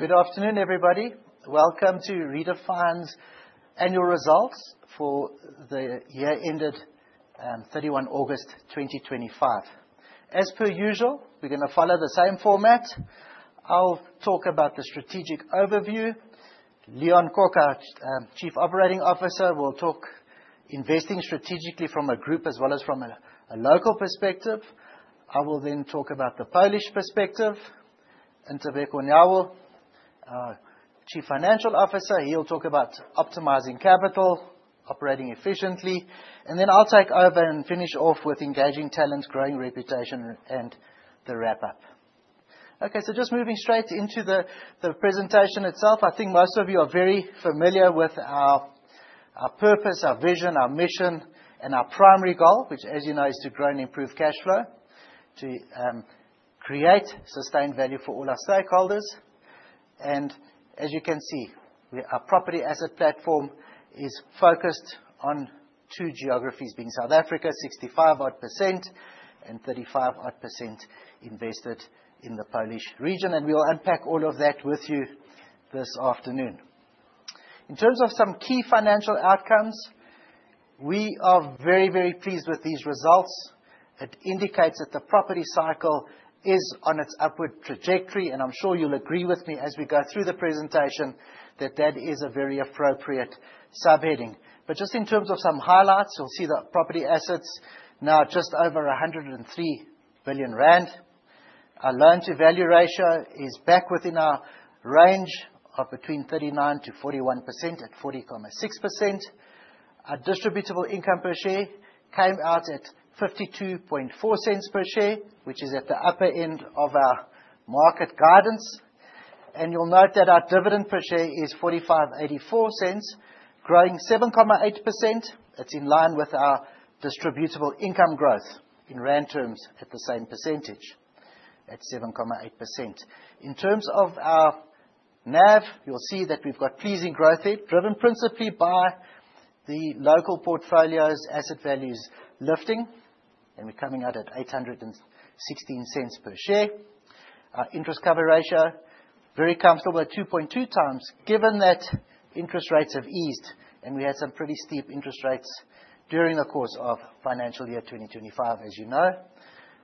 Good afternoon, everybody. Welcome to Redefine's annual results for the year ended 31 August 2025. As per usual, we're gonna follow the same format. I'll talk about the strategic overview. Leon Kok, Chief Operating Officer, will talk investing strategically from a group as well as from a local perspective. I will then talk about the Polish perspective. Ntobeko Nyawo, our Chief Financial Officer, he'll talk about optimizing capital, operating efficiently, and then I'll take over and finish off with engaging talent, growing reputation and the wrap-up. Okay, so just moving straight into the presentation itself. I think most of you are very familiar with our purpose, our vision, our mission and our primary goal, which as you know is to grow and improve cash flow, to create sustained value for all our stakeholders. As you can see, our property asset platform is focused on two geographies, being South Africa, 65 odd% and 35 odd% invested in the Polish region. We'll unpack all of that with you this afternoon. In terms of some key financial outcomes, we are very, very pleased with these results. It indicates that the property cycle is on its upward trajectory, and I'm sure you'll agree with me as we go through the presentation that that is a very appropriate subheading. Just in terms of some highlights, you'll see that property assets now just over 103 billion rand. Our loan-to-value ratio is back within our range of between 39%-41%, at 40.6%. Our distributable income per share came out at 52.4 cents per share, which is at the upper end of our market guidance. You'll note that our dividend per share is 0.4584, growing 7.8%. That's in line with our distributable income growth in rand terms at the same percentage, at 7.8%. In terms of our NAV, you'll see that we've got pleasing growth rate, driven principally by the local portfolios asset values lifting, and we're coming out at 8.16 per share. Our interest cover ratio, very comfortable at 2.2 times, given that interest rates have eased, and we had some pretty steep interest rates during the course of financial year 2025, as you know.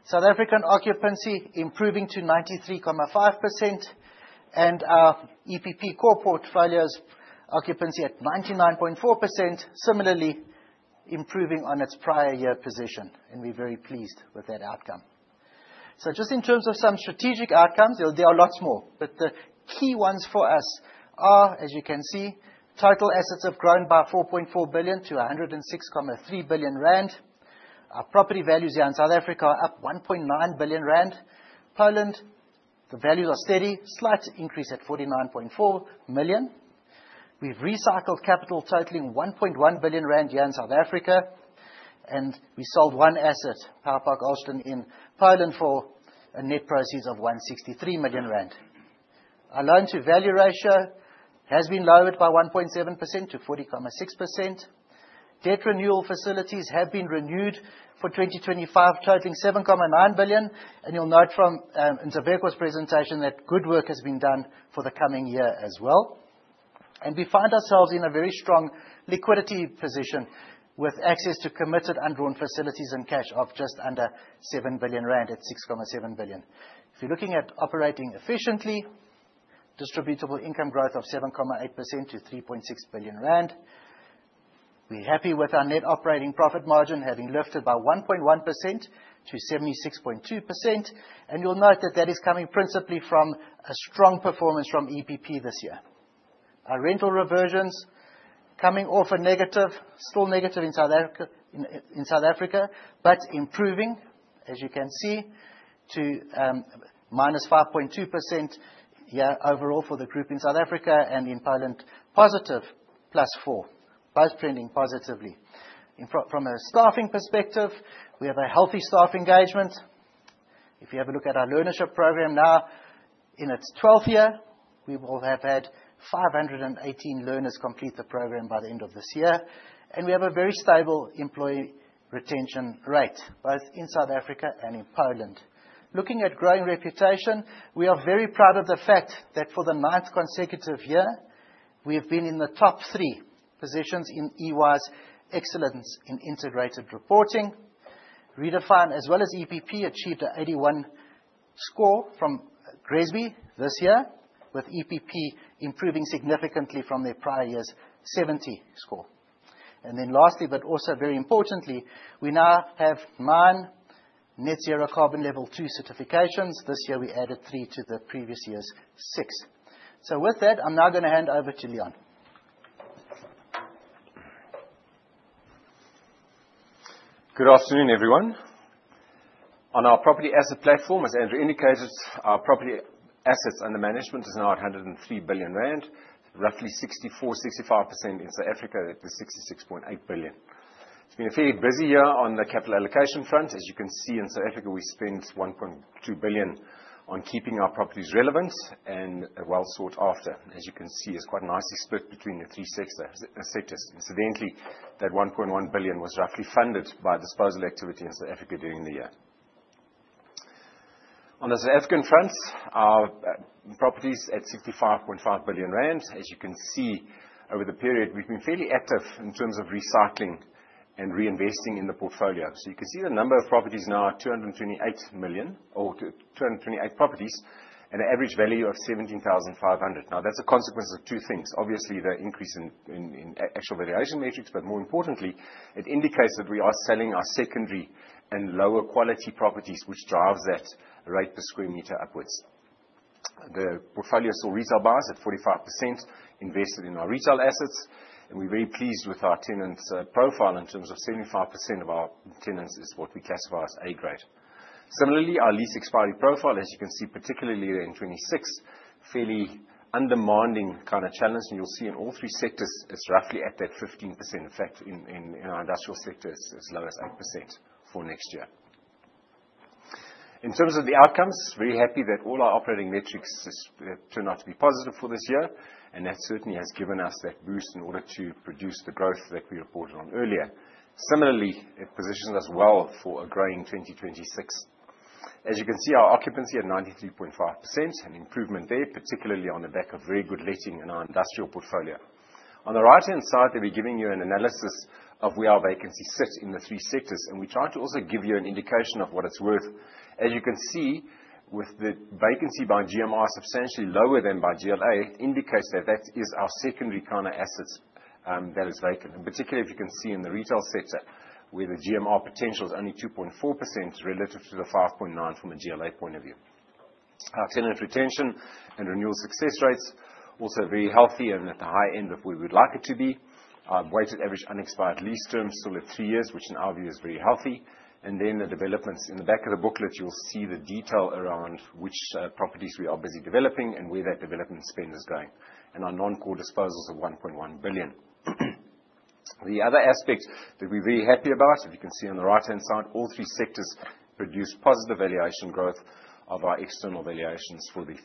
South African occupancy improving to 93.5%, and our EPP core portfolio's occupancy at 99.4%, similarly improving on its prior year position, and we're very pleased with that outcome. Just in terms of some strategic outcomes, there are lots more, but the key ones for us are, as you can see, total assets have grown by 4.4 billion to 106.3 billion rand. Our property values here in South Africa are up 1.9 billion rand. Poland, the values are steady, slight increase at 49.4 million. We've recycled capital totaling 1.1 billion rand here in South Africa, and we sold one asset, Power Park Ostrów in Poland for a net proceeds of 163 million rand. Our loan-to-value ratio has been lowered by 1.7% to 40.6%. Debt renewal facilities have been renewed for 2025, totaling 7.9 billion. You'll note from Ntobeko's presentation that good work has been done for the coming year as well. We find ourselves in a very strong liquidity position with access to committed undrawn facilities and cash of just under 7 billion rand at 6.7 billion. If you're looking at operating efficiently, distributable income growth of 7.8% to 3.6 billion rand. We're happy with our net operating profit margin having lifted by 1.1% to 76.2%, and you'll note that that is coming principally from a strong performance from EPP this year. Our rental reversions coming off a negative, still negative in South Africa, but improving, as you can see, to -5.2% year-over-year overall for the group in South Africa and in Poland, +4%, both trending positively. From a staffing perspective, we have a healthy staff engagement. If you have a look at our learnership program now, in its twelfth year, we will have had 518 learners complete the program by the end of this year. We have a very stable employee retention rate, both in South Africa and in Poland. Looking at growing reputation, we are very proud of the fact that for the ninth consecutive year, we have been in the top three positions in EY's Excellence in Integrated Reporting. Redefine, as well as EPP, achieved an 81 score from GRESB this year, with EPP improving significantly from their prior year's 70 score. Lastly, but also very importantly, we now have 9 Net Zero Carbon Level 2 certifications. This year, we added 3 to the previous year's 6. With that, I'm now gonna hand over to Leon Kok. Good afternoon, everyone. On our property asset platform, as Andrew indicated, our property assets under management is now at 103 billion rand, roughly 64%-65% in South Africa at the 66.8 billion. It's been a fairly busy year on the capital allocation front. As you can see, in South Africa, we spent 1.2 billion on keeping our properties relevant and well sought after. As you can see, it's quite nicely split between the three sectors. Incidentally, that 1.1 billion was roughly funded by disposal activity in South Africa during the year. On the South African front, our properties at 65.5 billion rand. As you can see, over the period, we've been fairly active in terms of recycling and reinvesting in the portfolio. You can see the number of properties now at 228, or two hundred and twenty-eight properties, at an average value of 17,500. Now, that's a consequence of two things. Obviously, the increase in actual valuation metrics, but more importantly, it indicates that we are selling our secondary and lower quality properties, which drives that rate per square meter upwards. The portfolio has a retail bias at 45% invested in our retail assets, and we're very pleased with our tenants profile in terms of 75% of our tenants is what we classify as A grade. Similarly, our lease expiry profile, as you can see, particularly in 2026, fairly undemanding kind of challenge. You'll see in all three sectors, it's roughly at that 15%. In fact, in our industrial sector, it's as low as 8% for next year. In terms of the outcomes, very happy that all our operating metrics has turned out to be positive for this year, and that certainly has given us that boost in order to produce the growth that we reported on earlier. Similarly, it positions us well for a growing 2026. As you can see, our occupancy at 93.5%, an improvement there, particularly on the back of very good letting in our industrial portfolio. On the right-hand side, they'll be giving you an analysis of where our vacancy sits in the three sectors, and we try to also give you an indication of what it's worth. As you can see, with the vacancy by GMR substantially lower than by GLA, it indicates that is our secondary kind of assets that is vacant. Particularly, if you can see in the retail sector, where the GMR potential is only 2.4% relative to the 5.9% from a GLA point of view. Our tenant retention and renewal success rates also very healthy and at the high end of where we'd like it to be. Our weighted average unexpired lease terms still at three years, which in our view is very healthy. The developments. In the back of the booklet, you'll see the detail around which properties we are busy developing and where that development spend is going, and our non-core disposals of 1.1 billion. The other aspect that we're very happy about, as you can see on the right-hand side, all three sectors produce positive valuation growth of our external valuations for the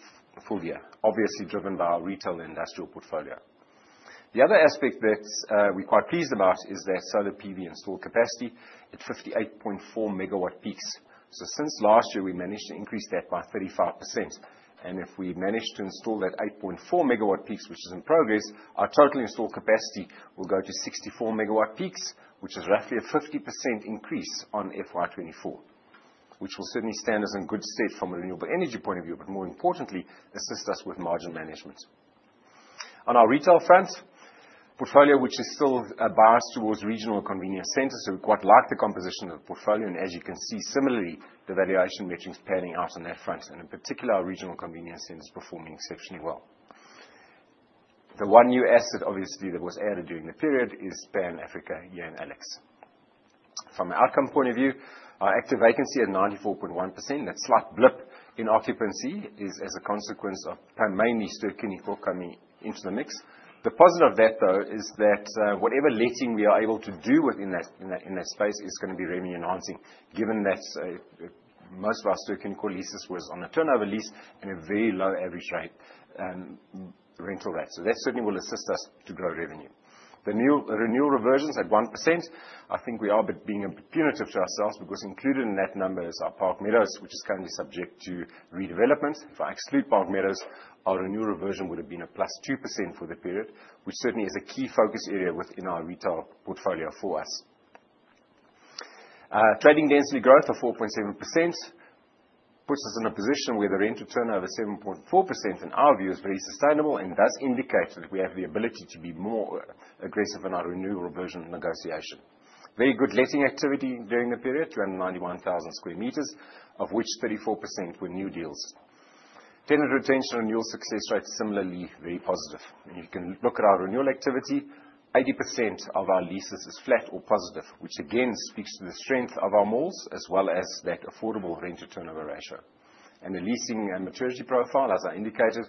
full year, obviously driven by our retail and industrial portfolio. The other aspect that we're quite pleased about is that solar PV installed capacity at 58.4 MWp. Since last year, we managed to increase that by 35%. If we manage to install that 8.4 MWp, which is in progress, our total installed capacity will go to 64 MWp, which is roughly a 50% increase on FY 2024, which will certainly stand us in good stead from a renewable energy point of view, but more importantly, assist us with margin management. On our retail front, portfolio which is still biased towards regional convenience centers, so we quite like the composition of the portfolio. As you can see, similarly, the valuation metrics panning out on that front. In particular, our regional convenience center is performing exceptionally well. The one new asset, obviously, that was added during the period is Pan Africa here in Alexandra. From an outcome point of view, our active occupancy at 94.1%. That slight blip in occupancy is as a consequence of mainly Ster-Kinekor coming into the mix. The positive of that, though, is that whatever letting we are able to do within that space is gonna be revenue enhancing, given that most of our Ster-Kinekor leases was on a turnover lease and a very low average rate rental rate. That certainly will assist us to grow revenue. The new, renewal reversions at 1%, I think we are being a bit punitive to ourselves, because included in that number is our Park Meadows, which is currently subject to redevelopment. If I exclude Park Meadows, our renewal reversion would have been a +2% for the period, which certainly is a key focus area within our retail portfolio for us. Trading density growth of 4.7% puts us in a position where the rental turnover 7.4%, in our view, is very sustainable and thus indicates that we have the ability to be more, aggressive in our renewal reversion negotiation. Very good letting activity during the period, 291,000 sq m, of which 34% were new deals. Tenant retention renewal success rate similarly very positive. When you can look at our renewal activity, 80% of our leases is flat or positive, which again speaks to the strength of our malls, as well as that affordable rental turnover ratio. The leasing and maturity profile, as I indicated,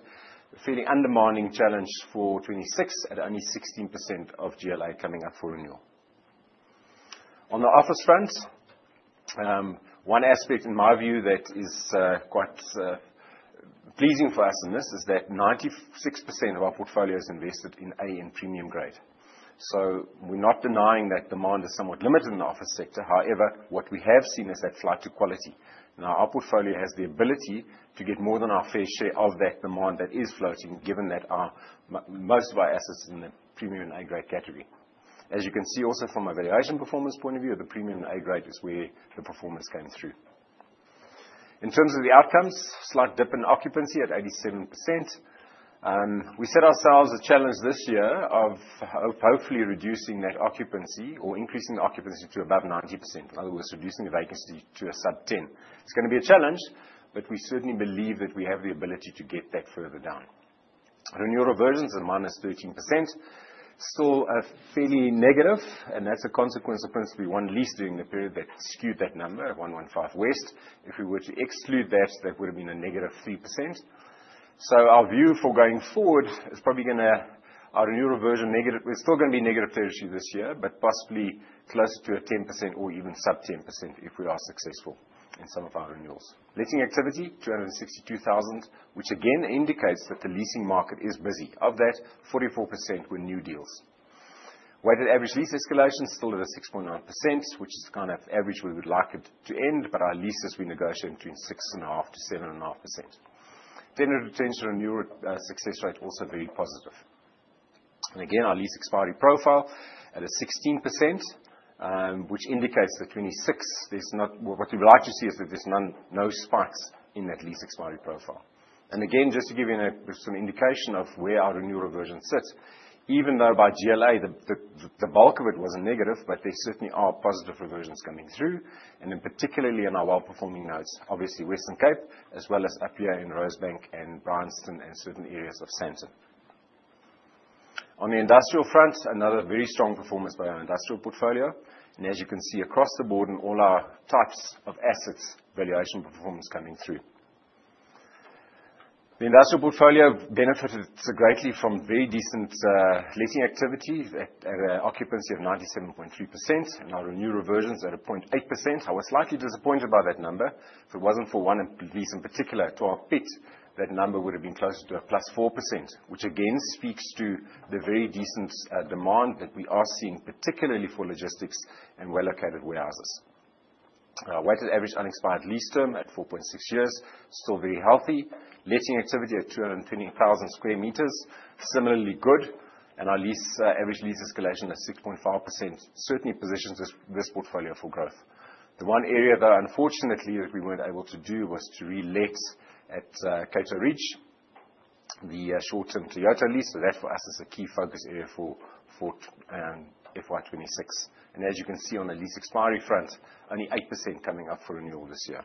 a fairly undemanding challenge for 2026 at only 16% of GLA coming up for renewal. On the office front, one aspect in my view that is quite pleasing for us in this is that 96% of our portfolio is invested in A and premium grade. So we're not denying that demand is somewhat limited in the office sector. However, what we have seen is that flight to quality. Now, our portfolio has the ability to get more than our fair share of that demand that is floating, given that most of our assets are in the premium and A grade category. As you can see also from a valuation performance point of view, the premium and A grade is where the performance came through. In terms of the outcomes, slight dip in occupancy at 87%. We set ourselves a challenge this year of hopefully reducing that occupancy or increasing occupancy to above 90%. In other words, reducing the vacancy to a sub-10. It's gonna be a challenge, but we certainly believe that we have the ability to get that further down. Renewal reversions at -13%, still fairly negative, and that's a consequence of principally one lease during the period that skewed that number at 115 West. If we were to exclude that would have been a -3%. Our view for going forward is probably gonna our renewal reversion negative. We're still gonna be -30% this year, but possibly closer to a 10% or even sub-10% if we are successful in some of our renewals. Letting activity, 262,000, which again indicates that the leasing market is busy. Of that, 44% were new deals. Weighted average lease escalation is still at a 6.9%, which is kind of average where we would like it to end, but our leases we negotiate between 6.5%-7.5%. Tenant retention and renewal success rate also very positive. Again, our lease expiry profile at a 16%, which indicates that, well, what we'd like to see is that there's none, no spikes in that lease expiry profile. Again, just to give you some indication of where our renewal reversion sits, even though by GLA the bulk of it was a negative, but there certainly are positive reversions coming through, particularly in our well-performing nodes, obviously Western Cape, as well as Upia and Rosebank and Bryanston and certain areas of Sandton. On the industrial front, another very strong performance by our industrial portfolio, and as you can see across the board in all our types of assets, valuation performance coming through. The industrial portfolio benefited greatly from very decent leasing activity at occupancy of 97.2% and our renewal reversions at 0.8%. I was slightly disappointed by that number. If it wasn't for one lease in particular to our portfolio, that number would have been closer to +4%, which again speaks to the very decent demand that we are seeing, particularly for logistics and well-located warehouses. Our weighted average unexpired lease term at 4.6 years, still very healthy. Leasing activity at 230,000 sq m, similarly good. Our average lease escalation at 6.5% certainly positions this portfolio for growth. The one area that unfortunately we weren't able to do was to relet at Cato Ridge the short-term Kyoto lease. So that for us is a key focus area for FY 2026. As you can see on the lease expiry front, only 8% coming up for renewal this year.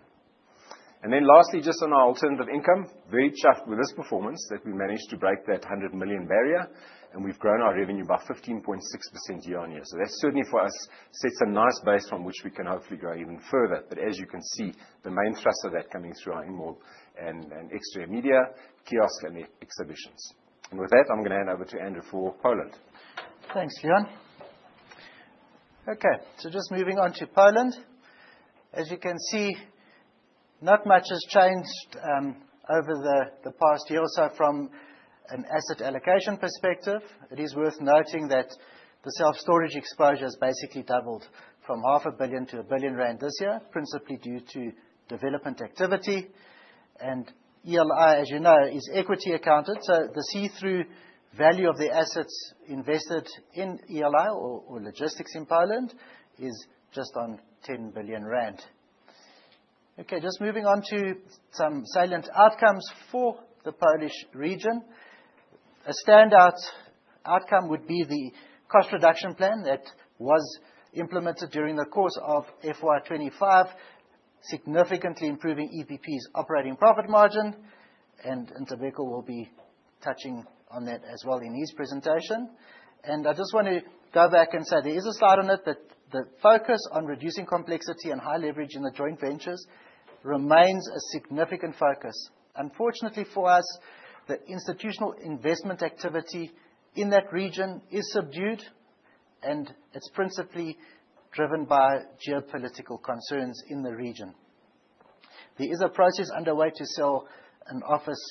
Then lastly, just on our alternative income, very chuffed with this performance that we managed to break that 100 million barrier, and we've grown our revenue by 15.6% year-on-year. That certainly for us sets a nice base from which we can hopefully grow even further. As you can see, the main thrust of that coming through our InMob and Xtra Media, Kiosk and e-Exhibitions. With that, I'm gonna hand over to Andrew for Poland. Thanks, Leon. Okay, just moving on to Poland. As you can see, not much has changed over the past year or so from an asset allocation perspective. It is worth noting that the self-storage exposure has basically doubled from half a billion ZAR to 1 billion rand this year, principally due to development activity. ELI, as you know, is equity accounted, so the see-through value of the assets invested in ELI or logistics in Poland is just on 10 billion rand. Okay, just moving on to some salient outcomes for the Polish region. A standout outcome would be the cost reduction plan that was implemented during the course of FY 2025, significantly improving EPP's operating profit margin, and Ntobeko will be touching on that as well in his presentation. I just want to go back and say there is a slide on it that the focus on reducing complexity and high leverage in the joint ventures remains a significant focus. Unfortunately for us, the institutional investment activity in that region is subdued, and it's principally driven by geopolitical concerns in the region. There is a process underway to sell an office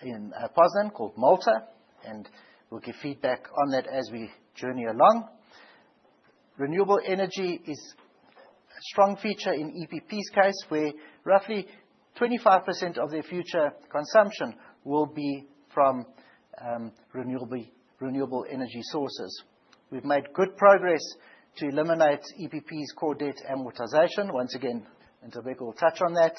in Poznań called Malta, and we'll give feedback on that as we journey along. Renewable energy is a strong feature in EPP's case, where roughly 25% of their future consumption will be from renewable energy sources. We've made good progress to eliminate EPP's core debt amortization. Once again, and Nthabeko will touch on that.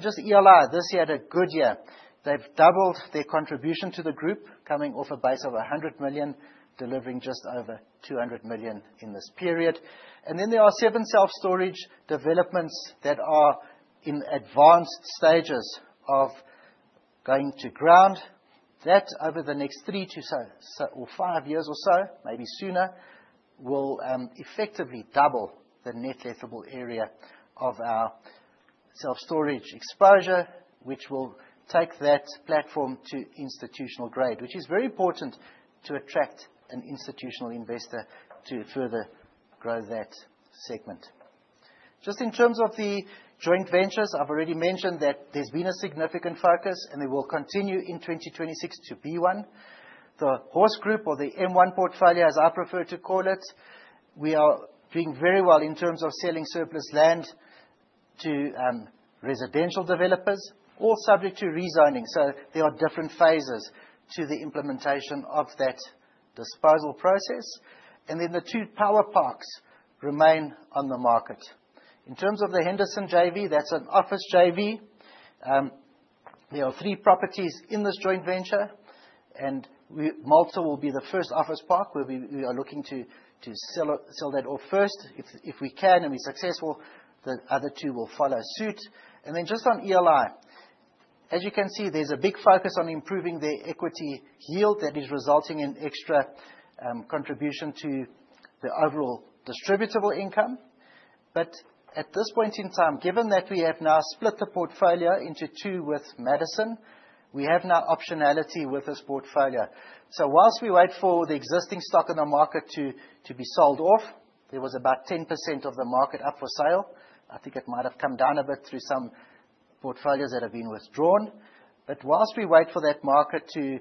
Just ELI this year had a good year. They've doubled their contribution to the group, coming off a base of 100 million, delivering just over 200 million in this period. Then there are 7 self-storage developments that are in advanced stages of going to ground. That, over the next 3-5 years or so, maybe sooner, will effectively double the net lettable area of our self-storage exposure, which will take that platform to institutional grade. Which is very important to attract an institutional investor to further grow that segment. Just in terms of the joint ventures, I've already mentioned that there's been a significant focus, and it will continue in 2026 to be one. The Horse Group or the M1 portfolio, as I prefer to call it, we are doing very well in terms of selling surplus land to residential developers, all subject to rezoning. There are different phases to the implementation of that disposal process. The two power parks remain on the market. In terms of the Henderson JV, that's an office JV. There are three properties in this joint venture, and Malta will be the first office park where we are looking to sell that off first. If we can and be successful, the other two will follow suit. Just on ELI. As you can see, there's a big focus on improving the equity yield that is resulting in extra contribution to the overall distributable income. But at this point in time, given that we have now split the portfolio into two with Madison, we have now optionality with this portfolio. Whilst we wait for the existing stock in the market to be sold off, there was about 10% of the market up for sale. I think it might have come down a bit through some portfolios that have been withdrawn. Whilst we wait for that market to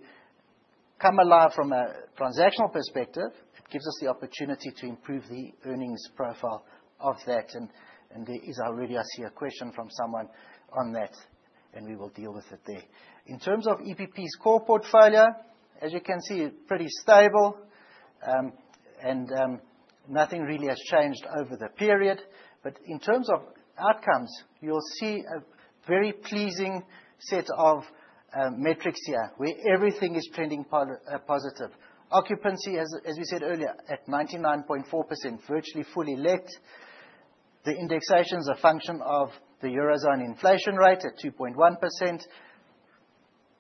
come alive from a transactional perspective, it gives us the opportunity to improve the earnings profile of that. There is already, I see a question from someone on that, and we will deal with it then. In terms of EPP's core portfolio, as you can see, pretty stable. Nothing really has changed over the period. In terms of outcomes, you'll see a very pleasing set of metrics here, where everything is trending positive. Occupancy, as we said earlier, at 99.4%, virtually fully let. The indexation is a function of the Eurozone inflation rate at 2.1%.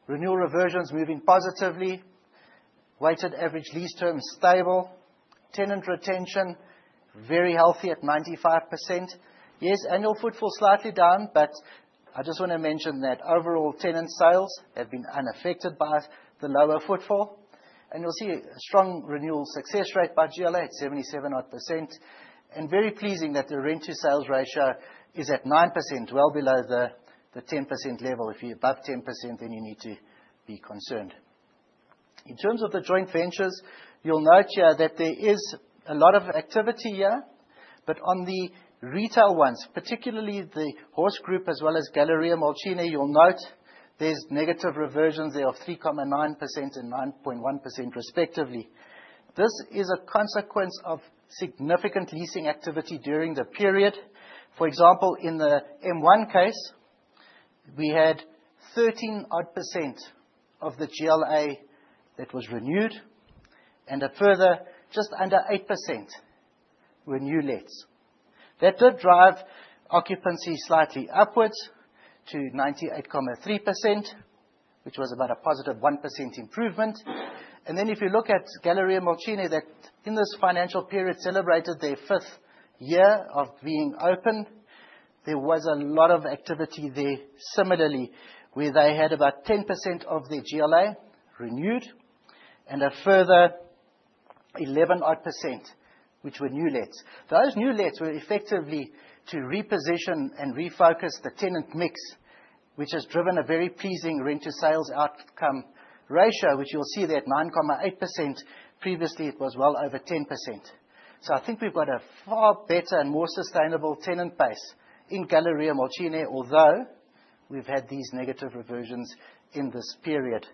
Renewal reversions moving positively. Weighted average lease term stable. Tenant retention very healthy at 95%. Yes, annual footfall slightly down, but I just wanna mention that overall tenant sales have been unaffected by the lower footfall. You'll see a strong renewal success rate by GLA at 77-odd%. Very pleasing that the rent to sales ratio is at 9%, well below the 10% level. If you're above 10%, then you need to be concerned. In terms of the joint ventures, you'll note here that there is a lot of activity here. On the retail ones, particularly the Horse Group as well as Galeria Mokotów, you'll note there's negative reversions. They are 3.9% and 9.1% respectively. This is a consequence of significant leasing activity during the period. For example, in the M1 case, we had 13% of the GLA that was renewed and a further just under 8% were new lets. That did drive occupancy slightly upwards to 98.3%, which was about a positive 1% improvement. If you look at Galeria Mokotów, that in this financial period celebrated their 5th year of being open, there was a lot of activity there similarly, where they had about 10% of their GLA renewed and a further 11% which were new lets. Those new lets were effectively to reposition and refocus the tenant mix, which has driven a very pleasing rent to sales outcome ratio, which you'll see there at 9.8%. Previously, it was well over 10%. I think we've got a far better and more sustainable tenant base in Galeria Mokotów, although we've had these negative reversions in this period.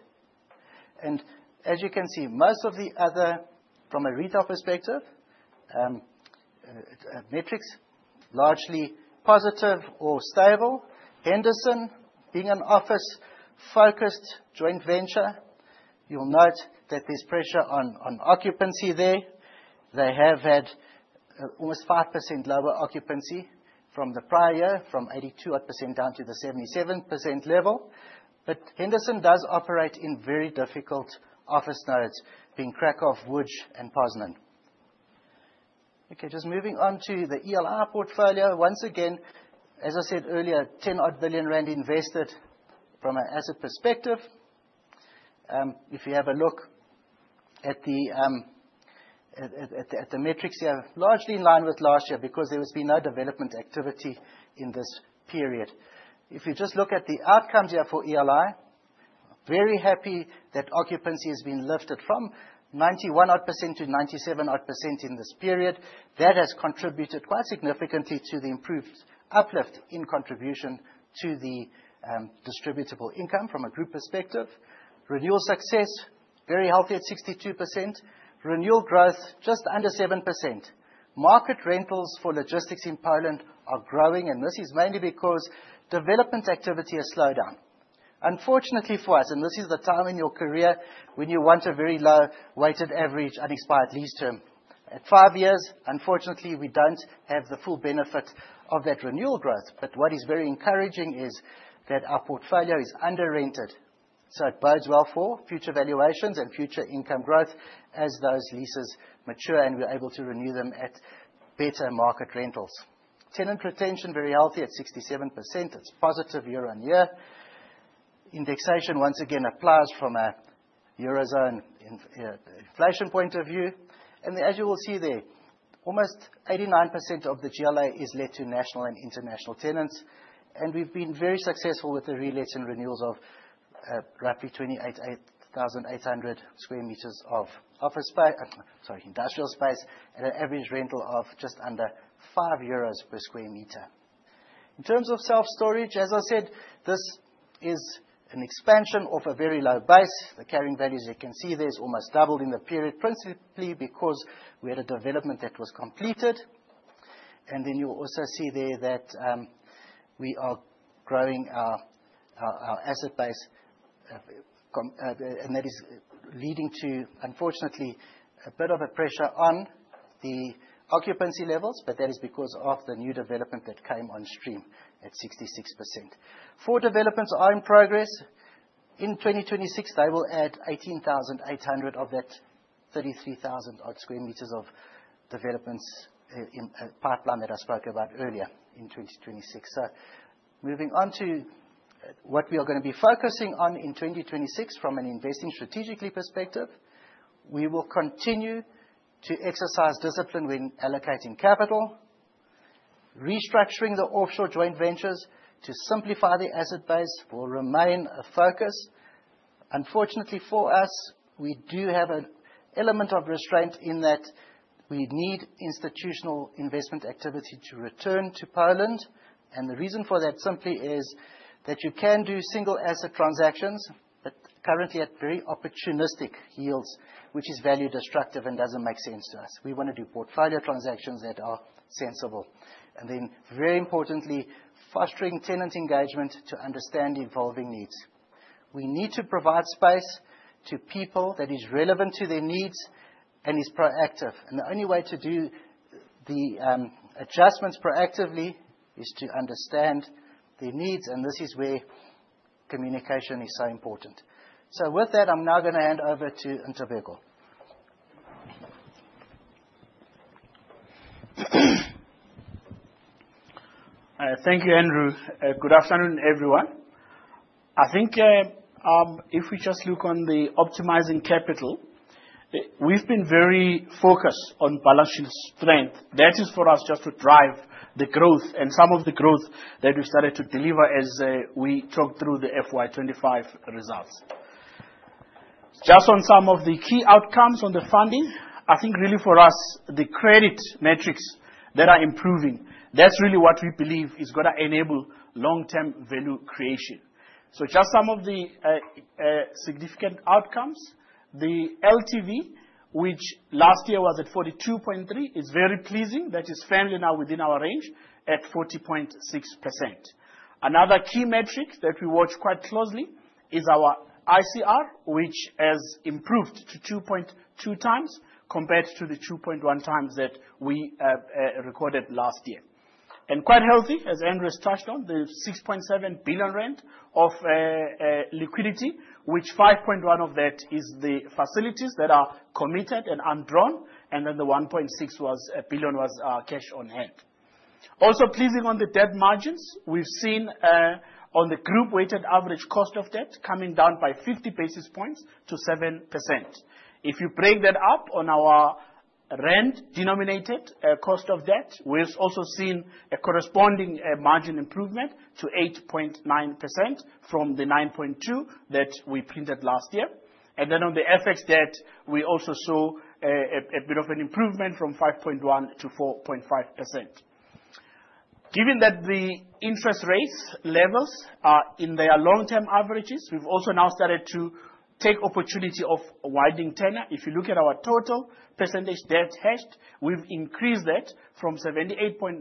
As you can see, most of the other, from a retail perspective, metrics, largely positive or stable. Henderson, being an office-focused joint venture, you'll note that there's pressure on occupancy there. They have had almost 5% lower occupancy from the prior year, from 82-odd% down to the 77% level. Henderson does operate in very difficult office nodes in Kraków, Łódź, and Poznań. Okay, just moving on to the ELI portfolio. Once again, as I said earlier, 10 billion rand invested from an asset perspective. If you have a look at the metrics here, largely in line with last year because there has been no development activity in this period. If you just look at the outcomes here for ELI, very happy that occupancy has been lifted from 91 odd% to 97 odd% in this period. That has contributed quite significantly to the improved uplift in contribution to the distributable income from a group perspective. Renewal success, very healthy at 62%. Renewal growth, just under 7%. Market rentals for logistics in Poland are growing, and this is mainly because development activity has slowed down. Unfortunately for us, and this is the time in your career when you want a very low weighted average unexpired lease term. At 5 years, unfortunately, we don't have the full benefit of that renewal growth. What is very encouraging is that our portfolio is under-rented, so it bodes well for future valuations and future income growth as those leases mature, and we're able to renew them at better market rentals. Tenant retention, very healthy at 67%. It's positive year-on-year. Indexation, once again, applies from a Eurozone inflation point of view. As you will see there, almost 89% of the GLA is let to national and international tenants. We've been very successful with the relets and renewals of roughly 28,800 sq m of industrial space at an average rental of just under 5 euros per sq m. In terms of self-storage, as I said, this is an expansion of a very low base. The carrying values, you can see there, it's almost doubled in the period, principally because we had a development that was completed. Then you'll also see there that we are growing our asset base, and that is leading to, unfortunately, a bit of a pressure on the occupancy levels, but that is because of the new development that came on stream at 66%. Four developments are in progress. In 2026, they will add 18,800 of that 33,000 sq m of developments in pipeline that I spoke about earlier in 2026. Moving on to what we are gonna be focusing on in 2026 from an investment strategy perspective. We will continue to exercise discipline when allocating capital. Restructuring the offshore joint ventures to simplify the asset base will remain a focus. Unfortunately for us, we do have an element of restraint in that we need institutional investment activity to return to Poland, and the reason for that simply is that you can do single asset transactions, but currently at very opportunistic yields, which is value destructive and doesn't make sense to us. We wanna do portfolio transactions that are sensible. Very importantly, fostering tenant engagement to understand evolving needs. We need to provide space to people that is relevant to their needs and is proactive. The only way to do the adjustments proactively is to understand their needs, and this is where communication is so important. With that, I'm now gonna hand over to Ntobeko. Thank you, Andrew. Good afternoon, everyone. I think if we just look on the optimizing capital, we've been very focused on balance sheet strength. That is for us just to drive the growth and some of the growth that we've started to deliver as we talk through the FY 2025 results. Just on some of the key outcomes on the funding, I think really for us, the credit metrics that are improving, that's really what we believe is gonna enable long-term value creation. Just some of the significant outcomes. The LTV, which last year was at 42.3, is very pleasing. That is fairly now within our range at 40.6%. Another key metric that we watch quite closely is our ICR, which has improved to 2.2 times compared to the 2.1 times that we have recorded last year. Quite healthy, as Andrew's touched on, the 6.7 billion rand of liquidity, which 5.1 billion of that is the facilities that are committed and undrawn, and then the 1.6 billion was cash on hand. Also pleasing on the debt margins, we've seen on the group weighted average cost of debt coming down by 50 basis points to 7%. If you break that up on our ZAR-denominated cost of debt, we've also seen a corresponding margin improvement to 8.9% from the 9.2% that we printed last year. On the FX debt, we also saw a bit of an improvement from 5.1% to 4.5%. Given that the interest rates levels are in their long-term averages, we've also now started to take opportunity of widening tenure. If you look at our total percentage debt hedged, we've increased that from 78.9%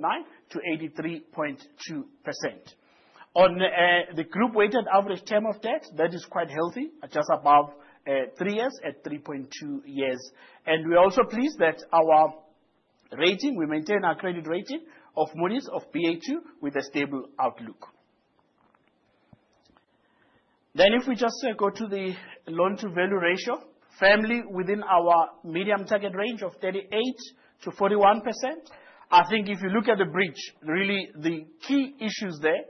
to 83.2%. On the group weighted average term of debt, that is quite healthy, just above three years at 3.2 years. We're also pleased that our rating, we maintain our credit rating of Moody's of Ba2 with a stable outlook. If we just go to the loan-to-value ratio, firmly within our medium target range of 38%-41%. I think if you look at the bridge, really the key issue is there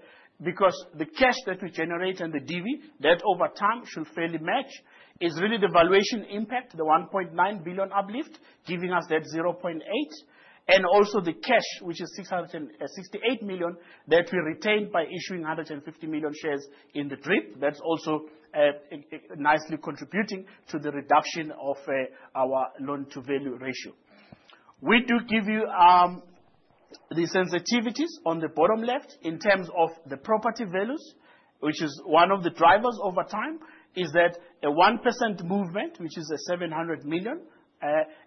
because the cash that we generate and the DV, that over time should fairly match, is really the valuation impact, the 1.9 billion uplift, giving us that 0.8, and also the cash, which is 668 million that we retained by issuing 150 million shares in the DRIP. That's also nicely contributing to the reduction of our loan-to-value ratio. We do give you the sensitivities on the bottom left in terms of the property values, which is one of the drivers over time, is that a 1% movement, which is 700 million,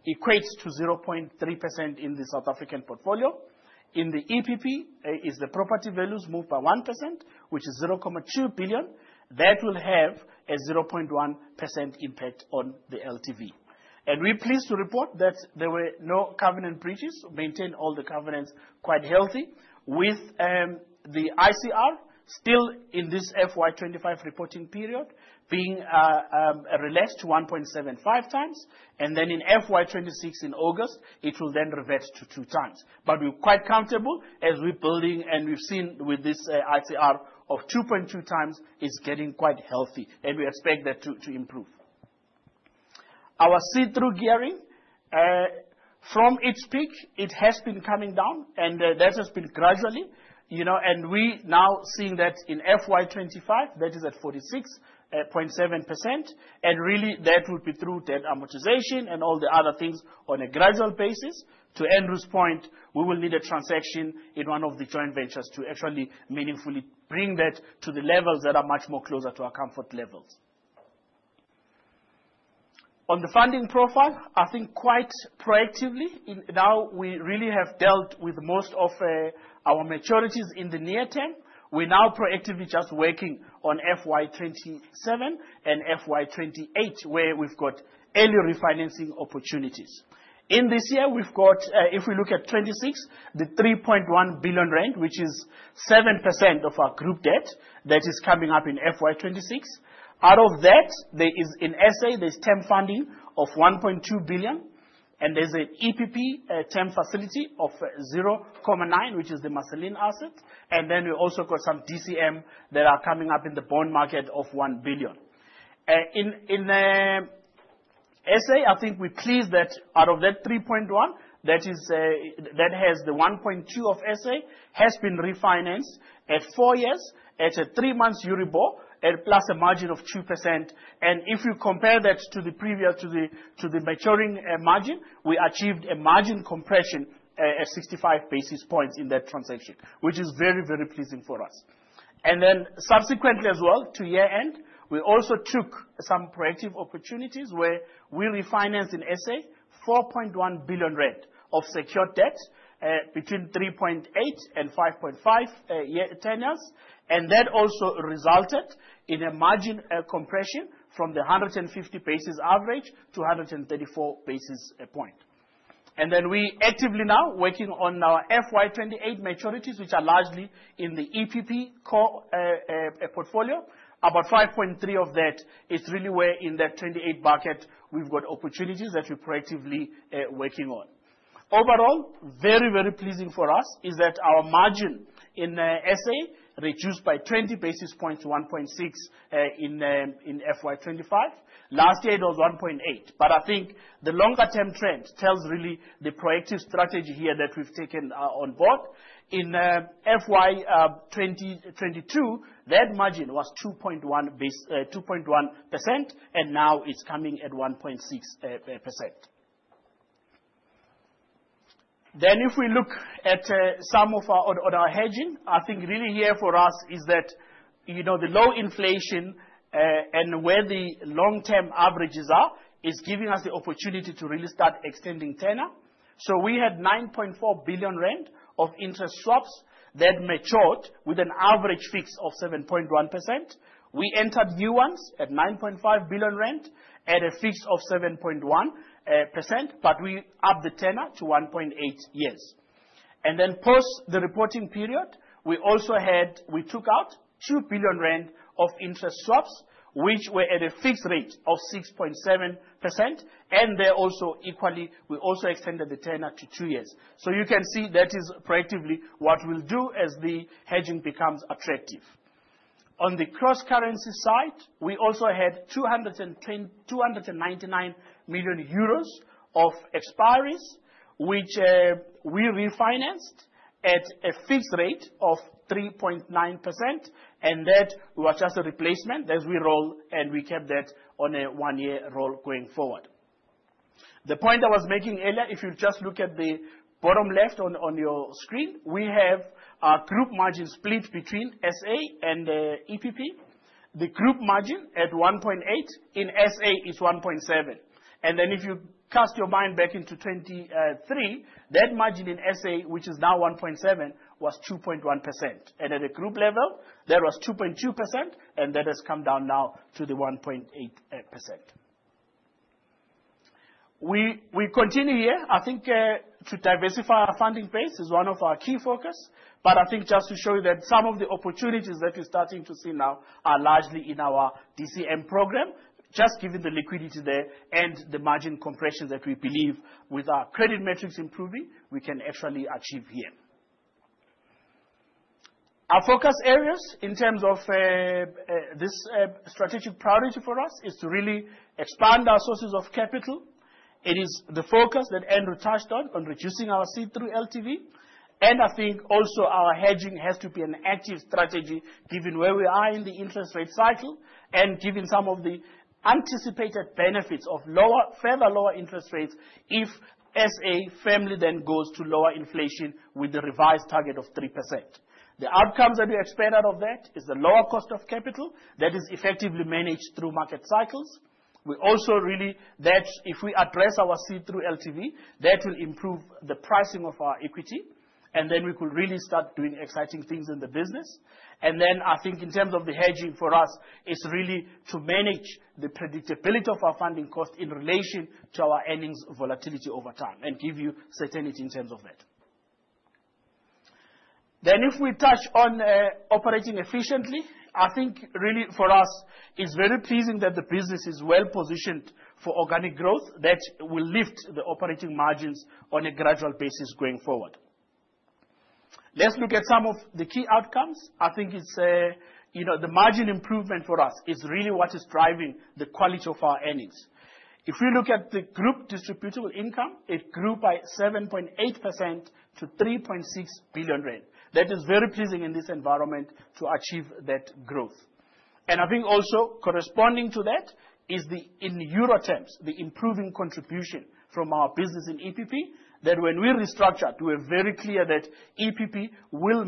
equates to 0.3% in the South African portfolio. In the EPP, the property values moved by 1%, which is 0.2 billion. That will have a 0.1% impact on the LTV. We're pleased to report that there were no covenant breaches, maintained all the covenants quite healthy, with the ICR still in this FY 2025 reporting period being relaxed to 1.75 times. Then in FY 2026 in August, it will then revert to 2 times. We're quite comfortable as we're building, and we've seen with this ICR of 2.2 times getting quite healthy, and we expect that to improve. Our see-through gearing from its peak has been coming down and that has been gradually, you know. We're now seeing that in FY 2025, that is at 46.7%, and really that will be through debt amortization and all the other things on a gradual basis. To Andrew's point, we will need a transaction in one of the joint ventures to actually meaningfully bring that to the levels that are much more closer to our comfort levels. On the funding profile, I think quite proactively. Now we really have dealt with most of our maturities in the near term. We're now proactively just working on FY 2027 and FY 2028, where we've got early refinancing opportunities. In this year, we've got, if we look at twenty-six, the 3.1 billion rand, which is 7% of our group debt that is coming up in FY 2026. Out of that, there is in SA term funding of 1.2 billion, and there's an EPP term facility of 0.9 billion, which is the Marszałkowska assets. We've also got some DCM that are coming up in the bond market of 1 billion. In SA, I think we're pleased that out of that 3.1, that is, that has the 1.2 of SA has been refinanced at four years at a three-month EURIBOR plus a margin of 2%. If you compare that to the previous maturing margin, we achieved a margin compression at 65 basis points in that transaction, which is very, very pleasing for us. Subsequently as well, to year-end, we also took some proactive opportunities where we refinance in SA 4.1 billion rand of secured debt between 3.8- and 5.5-year tenors, and that also resulted in a margin compression from the 150 basis points average to a 134 basis points. We actively now working on our FY 2028 maturities, which are largely in the EPP core portfolio. About 5.3 of that is really where in that 2028 bucket we've got opportunities that we're proactively working on. Overall, very, very pleasing for us is that our margin in SA reduced by 20 basis points, 1.6% in FY 2025. Last year it was 1.8%. I think the longer term trend tells really the proactive strategy here that we've taken on board. In FY 2022, that margin was 2.1%, and now it's coming at 1.6%. If we look at some of our hedging, I think really here for us is that, you know, the low inflation and where the long-term averages are, is giving us the opportunity to really start extending tenure. We had 9.4 billion rand of interest swaps that matured with an average fix of 7.1%. We entered new ones at 9.5 billion at a fix of 7.1%, but we upped the tenure to 1.8 years. Post the reporting period, we also had... We took out 2 billion rand of interest swaps, which were at a fixed rate of 6.7%, and there also equally, we also extended the tenure to 2 years. You can see that is proactively what we'll do as the hedging becomes attractive. On the cross currency side, we also had 299 million euros of expiries, which, we refinanced at a fixed rate of 3.9%, and that was just a replacement as we roll, and we kept that on a 1-year roll going forward. The point I was making earlier, if you just look at the bottom left on your screen, we have our group margin split between SA and EPP. The group margin at 1.8%, in SA is 1.7%. If you cast your mind back into 2023, that margin in SA, which is now 1.7%, was 2.1%. At a group level, that was 2.2%, and that has come down now to the 1.8%. We continue here, I think, to diversify our funding base is one of our key focus. I think just to show you that some of the opportunities that you're starting to see now are largely in our DCM program, just given the liquidity there and the margin compression that we believe with our credit metrics improving, we can actually achieve here. Our focus areas in terms of this strategic priority for us is to really expand our sources of capital. It is the focus that Andrew touched on reducing our see-through LTV. I think also our hedging has to be an active strategy given where we are in the interest rate cycle, and given some of the anticipated benefits of lower, further lower interest rates if SA firmly then goes to lower inflation with the revised target of 3%. The outcomes that we expect out of that is the lower cost of capital that is effectively managed through market cycles. We also really, that if we address our see-through LTV, that will improve the pricing of our equity, and then we could really start doing exciting things in the business. I think in terms of the hedging for us, it's really to manage the predictability of our funding cost in relation to our earnings volatility over time and give you certainty in terms of that. If we touch on operating efficiently, I think really for us it's very pleasing that the business is well positioned for organic growth that will lift the operating margins on a gradual basis going forward. Let's look at some of the key outcomes. I think it's you know the margin improvement for us is really what is driving the quality of our earnings. If we look at the group distributable income, it grew by 7.8% to 3.6 billion rand. That is very pleasing in this environment to achieve that growth. I think also corresponding to that is the in euro terms the improving contribution from our business in EPP, that when we restructured, we're very clear that EPP will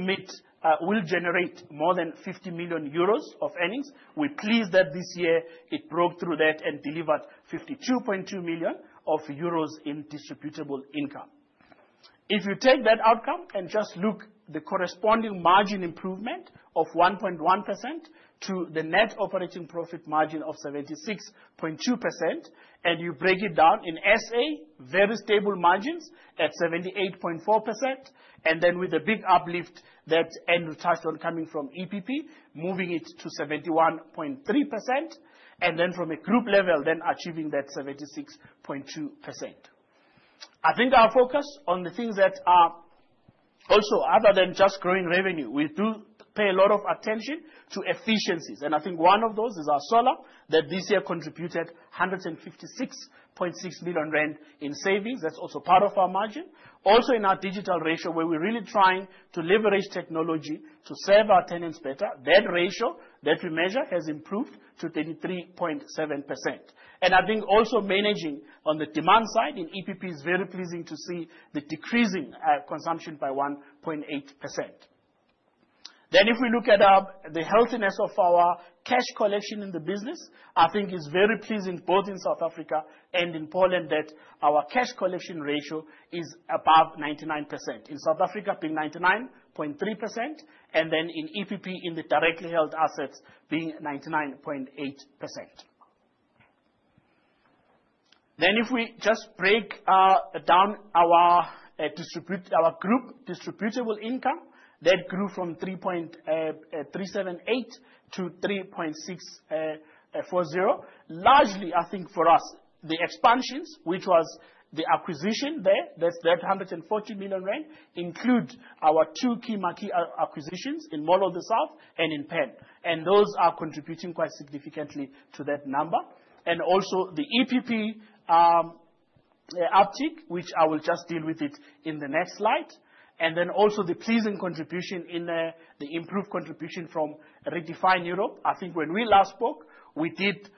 generate more than 50 million euros of earnings. We're pleased that this year it broke through that and delivered 52.2 million euros in distributable income. If you take that outcome and just look at the corresponding margin improvement of 1.1% to the net operating profit margin of 76.2%, and you break it down in SA, very stable margins at 78.4%, and then with a big uplift that Andrew touched on coming from EPP, moving it to 71.3%, and then from a group level then achieving that 76.2%. I think our focus on the things that are also other than just growing revenue, we do pay a lot of attention to efficiencies, and I think one of those is our solar that this year contributed 156.6 million rand in savings. That's also part of our margin. Also in our digital ratio, where we're really trying to leverage technology to serve our tenants better, that ratio that we measure has improved to 33.7%. I think also managing on the demand side in EPP is very pleasing to see the decreasing consumption by 1.8%. If we look at the healthiness of our cash collection in the business, I think is very pleasing, both in South Africa and in Poland, that our cash collection ratio is above 99%. In South Africa, being 99.3%, and then in EPP in the directly held assets being 99.8%. If we just break down our group distributable income, that grew from 3.378 to 3.640. Largely, I think for us, the expansions, which was the acquisition there, that's the 140 million rand, include our two key marquee acquisitions in Mall of the South and in Pan. Those are contributing quite significantly to that number. Also the EPP uptick, which I will just deal with it in the next slide, and then also the pleasing contribution in the improved contribution from Redefine Europe. I think when we last spoke, we did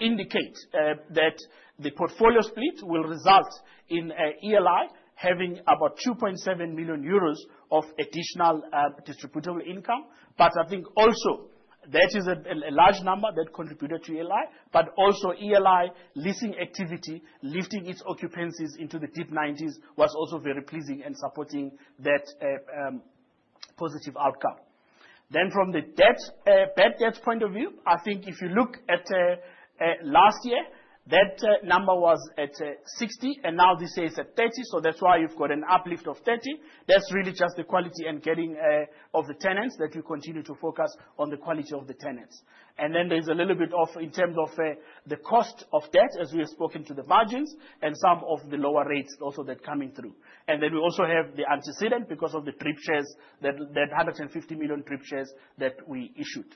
indicate that the portfolio split will result in ELI having about 2.7 million euros of additional distributable income. I think also that is a large number that contributed to ELI, but also ELI leasing activity, lifting its occupancies into the deep 90s% was also very pleasing and supporting that positive outcome. From the debt bad debt point of view, I think if you look at last year, that number was at 60, and now this year it's at 30, so that's why you've got an uplift of 30. That's really just the quality and getting rid of the tenants that we continue to focus on the quality of the tenants. There's a little bit in terms of the cost of debt, as we have spoken to the margins and some of the lower rates also that are coming through. We also have the accretion because of the DRIP shares, that 150 million DRIP shares that we issued.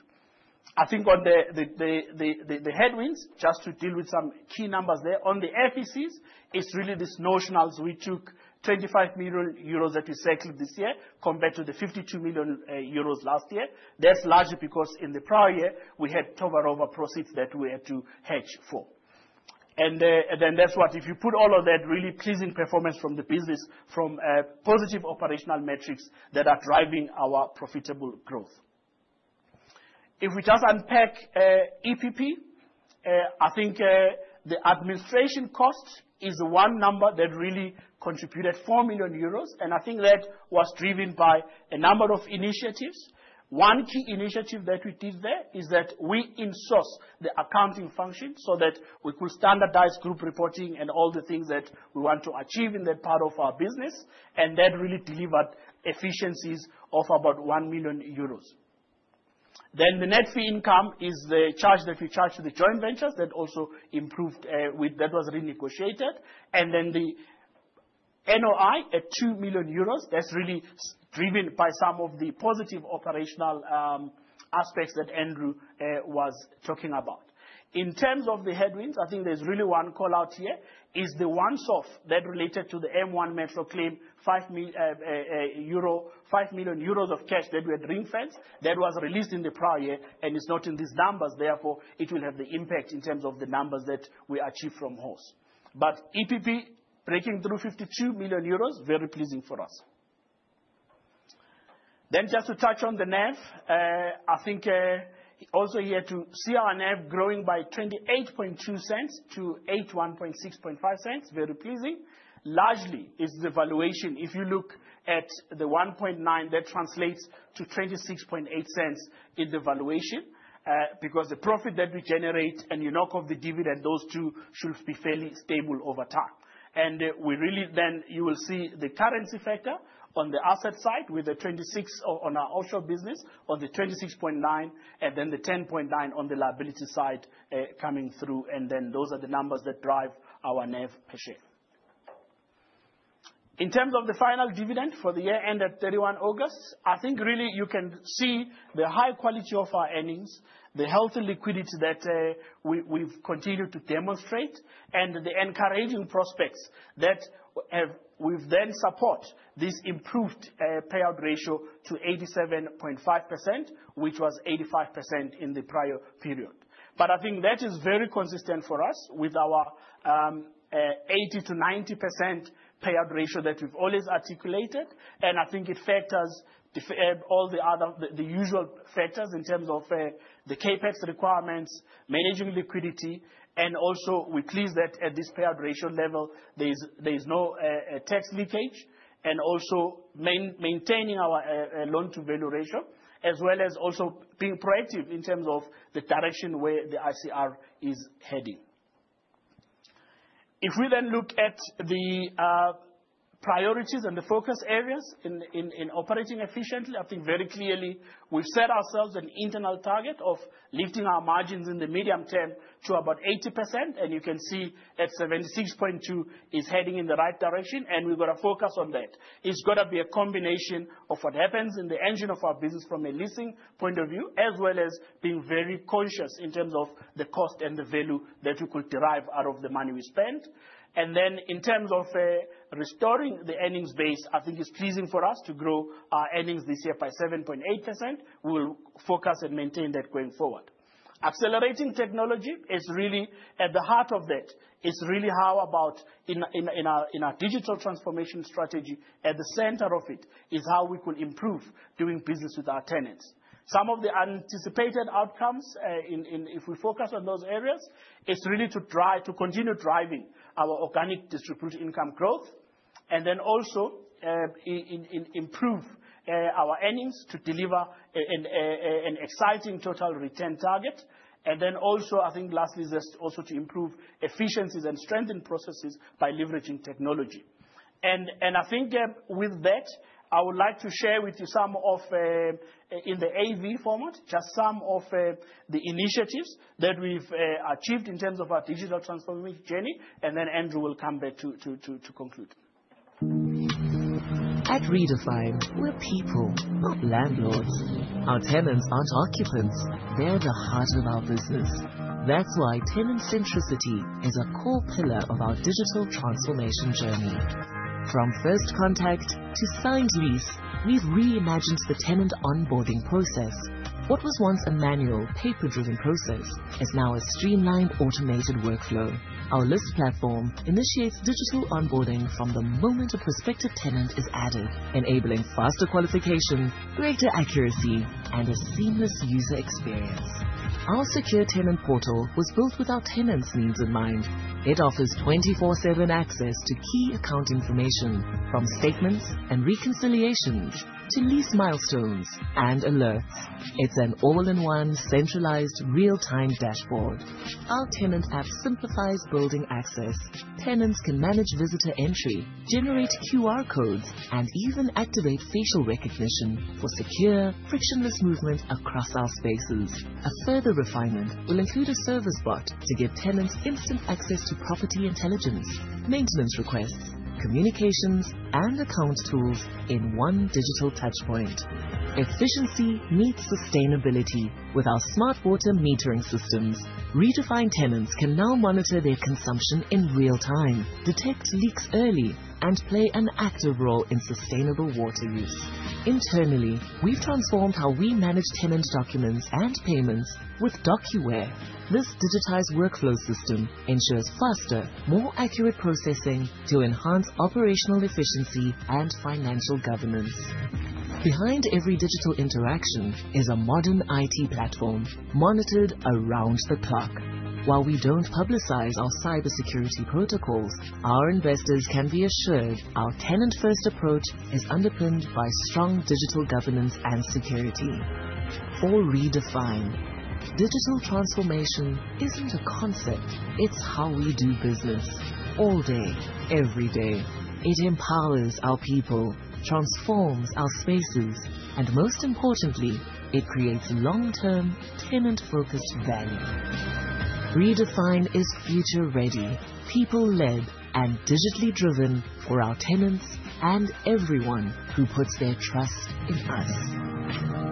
I think on the headwinds, just to deal with some key numbers there. On the FECs, it's really these notionals. We took 25 million euros that we cycled this year compared to the 52 million euros last year. That's largely because in the prior year, we had turnover proceeds that we had to hedge for. That's what, if you put all of that really pleasing performance from the business, from positive operational metrics that are driving our profitable growth. If we just unpack EPP, I think the administration cost is one number that really contributed 4 million euros, and I think that was driven by a number of initiatives. One key initiative that we did there is that we insourced the accounting function so that we could standardize group reporting and all the things that we want to achieve in that part of our business, and that really delivered efficiencies of about 1 million euros. The net fee income is the charge that we charge to the joint ventures. That also improved, that was renegotiated. The NOI at 2 million euros, that's really driven by some of the positive operational aspects that Andrew was talking about. In terms of the headwinds, I think there's really one call-out here, is the one-off that related to the M1 Marki claim, 5 million euro of cash that we had reimbursed, that was released in the prior year and is not in these numbers, therefore, it will have the impact in terms of the numbers that we achieve from EPP. But EPP breaking through 52 million euros, very pleasing for us. Just to touch on the NAV, I think, also here to see our NAV growing by 28.2 cents to 816.5 cents, very pleasing. Largely is the valuation. If you look at the 1.9, that translates to 26.8 cents in the valuation, because the profit that we generate and you knock off the dividend, those two should be fairly stable over time. We really then, you will see the currency factor on the asset side with the 26 on our offshore business on the 26.9, and then the 10.9 on the liability side, coming through, and then those are the numbers that drive our NAV per share. In terms of the final dividend for the year end at 31 August, I think really you can see the high quality of our earnings, the healthy liquidity that we've continued to demonstrate, and the encouraging prospects that we've then support this improved payout ratio to 87.5%, which was 85% in the prior period. I think that is very consistent for us with our 80%-90% payout ratio that we've always articulated. I think it factors all the other usual factors in terms of the CapEx requirements, managing liquidity, and also we're pleased that at this payout ratio level, there's no tax leakage, and also maintaining our loan-to-value ratio, as well as also being proactive in terms of the direction where the ICR is heading. If we then look at the Priorities and the focus areas in operating efficiently, I think very clearly we've set ourselves an internal target of lifting our margins in the medium term to about 80%, and you can see at 76.2% is heading in the right direction, and we're gonna focus on that. It's gotta be a combination of what happens in the engine of our business from a leasing point of view, as well as being very conscious in terms of the cost and the value that you could derive out of the money we spent. In terms of restoring the earnings base, I think it's pleasing for us to grow our earnings this year by 7.8%. We'll focus and maintain that going forward. Accelerating technology is really at the heart of that. It's really about how in our digital transformation strategy, at the center of it is how we could improve doing business with our tenants. Some of the anticipated outcomes. If we focus on those areas, it's really to continue driving our organic distributed income growth, and then also, improve our earnings to deliver an exciting total return target. Then also, I think lastly is just also to improve efficiencies and strengthen processes by leveraging technology. I think, with that, I would like to share with you some of, in the AV format, just some of, the initiatives that we've achieved in terms of our digital transformation journey, and then Andrew will come back to conclude. At Redefine, we're people, not landlords. Our tenants aren't occupants, they're the heart of our business. That's why tenant centricity is a core pillar of our digital transformation journey. From first contact to signed lease, we've reimagined the tenant onboarding process. What was once a manual, paper-driven process is now a streamlined, automated workflow. Our list platform initiates digital onboarding from the moment a prospective tenant is added, enabling faster qualification, greater accuracy, and a seamless user experience. Our secure tenant portal was built with our tenants' needs in mind. It offers 24/7 access to key account information, from statements and reconciliations to lease milestones and alerts. It's an all-in-one, centralized, real-time dashboard. Our tenant app simplifies building access. Tenants can manage visitor entry, generate QR codes, and even activate facial recognition for secure, frictionless movement across our spaces. A further refinement will include a service bot to give tenants instant access to property intelligence, maintenance requests, communications, and accounts tools in one digital touch point. Efficiency meets sustainability with our smart water metering systems. Redefine tenants can now monitor their consumption in real time, detect leaks early, and play an active role in sustainable water use. Internally, we've transformed how we manage tenant documents and payments with DocuWare. This digitized workflow system ensures faster, more accurate processing to enhance operational efficiency and financial governance. Behind every digital interaction is a modern IT platform monitored around the clock. While we don't publicize our cybersecurity protocols, our investors can be assured our tenant-first approach is underpinned by strong digital governance and security. For Redefine, digital transformation isn't a concept, it's how we do business, all day, every day. It empowers our people, transforms our spaces, and most importantly, it creates long-term, tenant-focused value. Redefine is future ready, people led, and digitally driven for our tenants and everyone who puts their trust in us.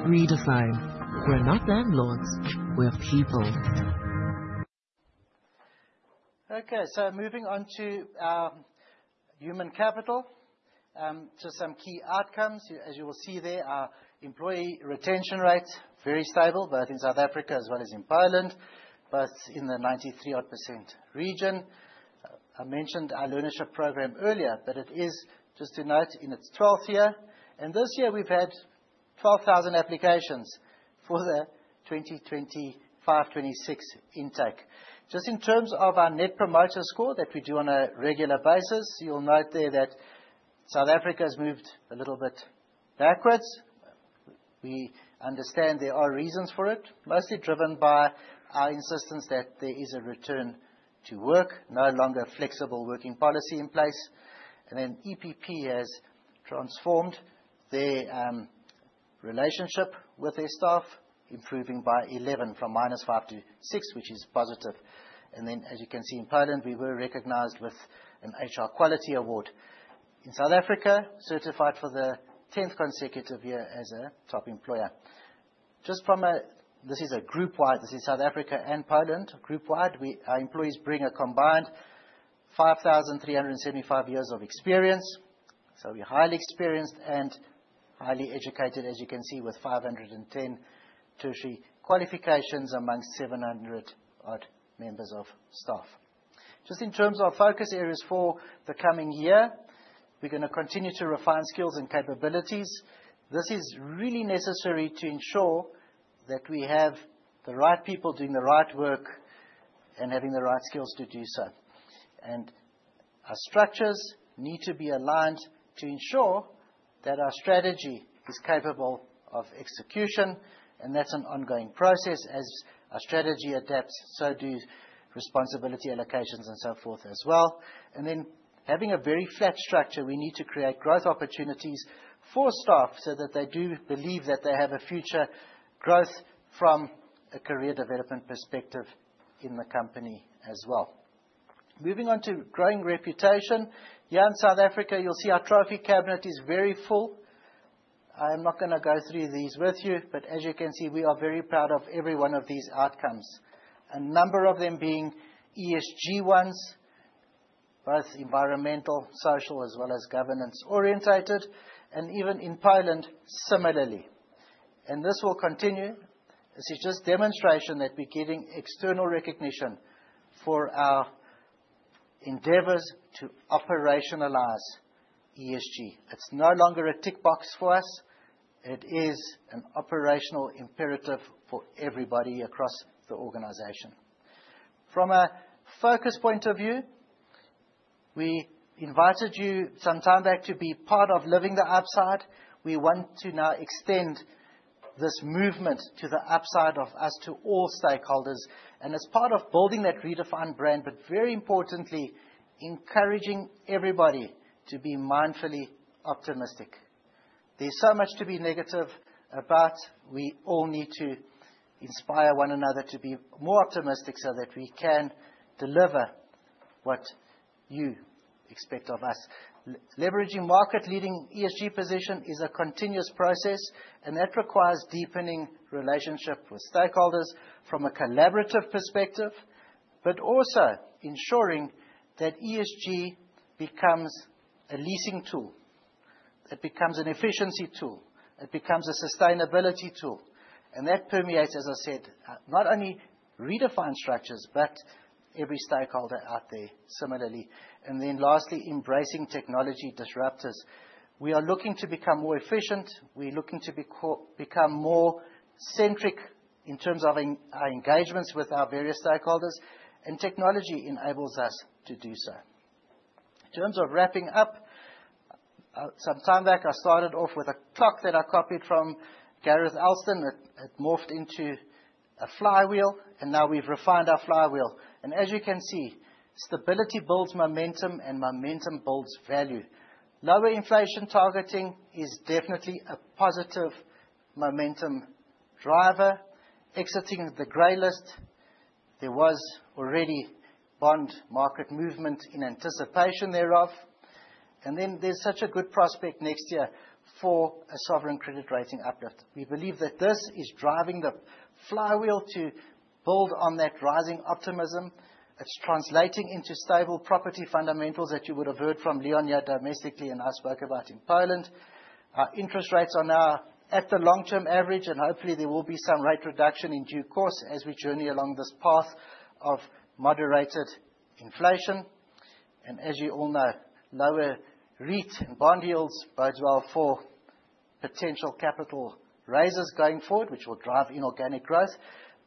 Redefine: we're not landlords, we're people. Moving on to our human capital. Some key outcomes. As you will see there, our employee retention rate, very stable, both in South Africa as well as in Poland, both in the 93-odd% region. I mentioned our learnership program earlier, but it is, just to note, in its 12th year. This year we've had 12,000 applications for the 2025/2026 intake. Just in terms of our net promoter score that we do on a regular basis, you'll note there that South Africa's moved a little bit backwards. We understand there are reasons for it, mostly driven by our insistence that there is a return to work, no longer flexible working policy in place. EPP has transformed their relationship with their staff, improving by 11 from -5 to 6, which is positive. As you can see in Poland, we were recognized with an HR Quality Award. In South Africa, we were certified for the tenth consecutive year as a top employer. This is group-wide, this is South Africa and Poland. Group-wide, our employees bring a combined 5,375 years of experience, so we're highly experienced and highly educated, as you can see, with 510 tertiary qualifications amongst 700-odd members of staff. Just in terms of focus areas for the coming year, we're gonna continue to refine skills and capabilities. This is really necessary to ensure that we have the right people doing the right work and having the right skills to do so. Our structures need to be aligned to ensure that our strategy is capable of execution, and that's an ongoing process. As our strategy adapts, so do responsibility allocations and so forth as well. Then having a very flat structure, we need to create growth opportunities for staff so that they do believe that they have a future growth from a career development perspective in the company as well. Moving on to growing reputation. Here in South Africa, you'll see our trophy cabinet is very full. I am not gonna go through these with you, but as you can see, we are very proud of every one of these outcomes. A number of them being ESG ones, both environmental, social, as well as governance-oriented, and even in Poland, similarly. This will continue. This is just demonstration that we're getting external recognition for our endeavors to operationalize ESG. It's no longer a tick box for us. It is an operational imperative for everybody across the organization. From a focus point of view, we invited you some time back to be part of living the upside. We want to now extend this movement to the upside of us, to all stakeholders, and as part of building that Redefine brand, but very importantly, encouraging everybody to be mindfully optimistic. There's so much to be negative, but we all need to inspire one another to be more optimistic so that we can deliver what you expect of us. Leveraging market-leading ESG position is a continuous process, and that requires deepening relationship with stakeholders from a collaborative perspective, but also ensuring that ESG becomes a leasing tool. It becomes an efficiency tool. It becomes a sustainability tool. That permeates, as I said, not only Redefine structures, but every stakeholder out there similarly. Lastly, embracing technology disruptors. We are looking to become more efficient. We're looking to become more centric in terms of our engagements with our various stakeholders, and technology enables us to do so. In terms of wrapping up, some time back, I started off with a clock that I copied from Gareth Alston. It morphed into a flywheel, and now we've refined our flywheel. As you can see, stability builds momentum, and momentum builds value. Lower inflation targeting is definitely a positive momentum driver. Exiting the gray list, there was already bond market movement in anticipation thereof, and then there's such a good prospect next year for a sovereign credit rating uplift. We believe that this is driving the flywheel to build on that rising optimism. It's translating into stable property fundamentals that you would have heard from Leon here domestically and I spoke about in Poland. Our interest rates are now at the long-term average, and hopefully, there will be some rate reduction in due course as we journey along this path of moderated inflation. As you all know, lower REIT and bond yields bode well for potential capital raises going forward, which will drive inorganic growth.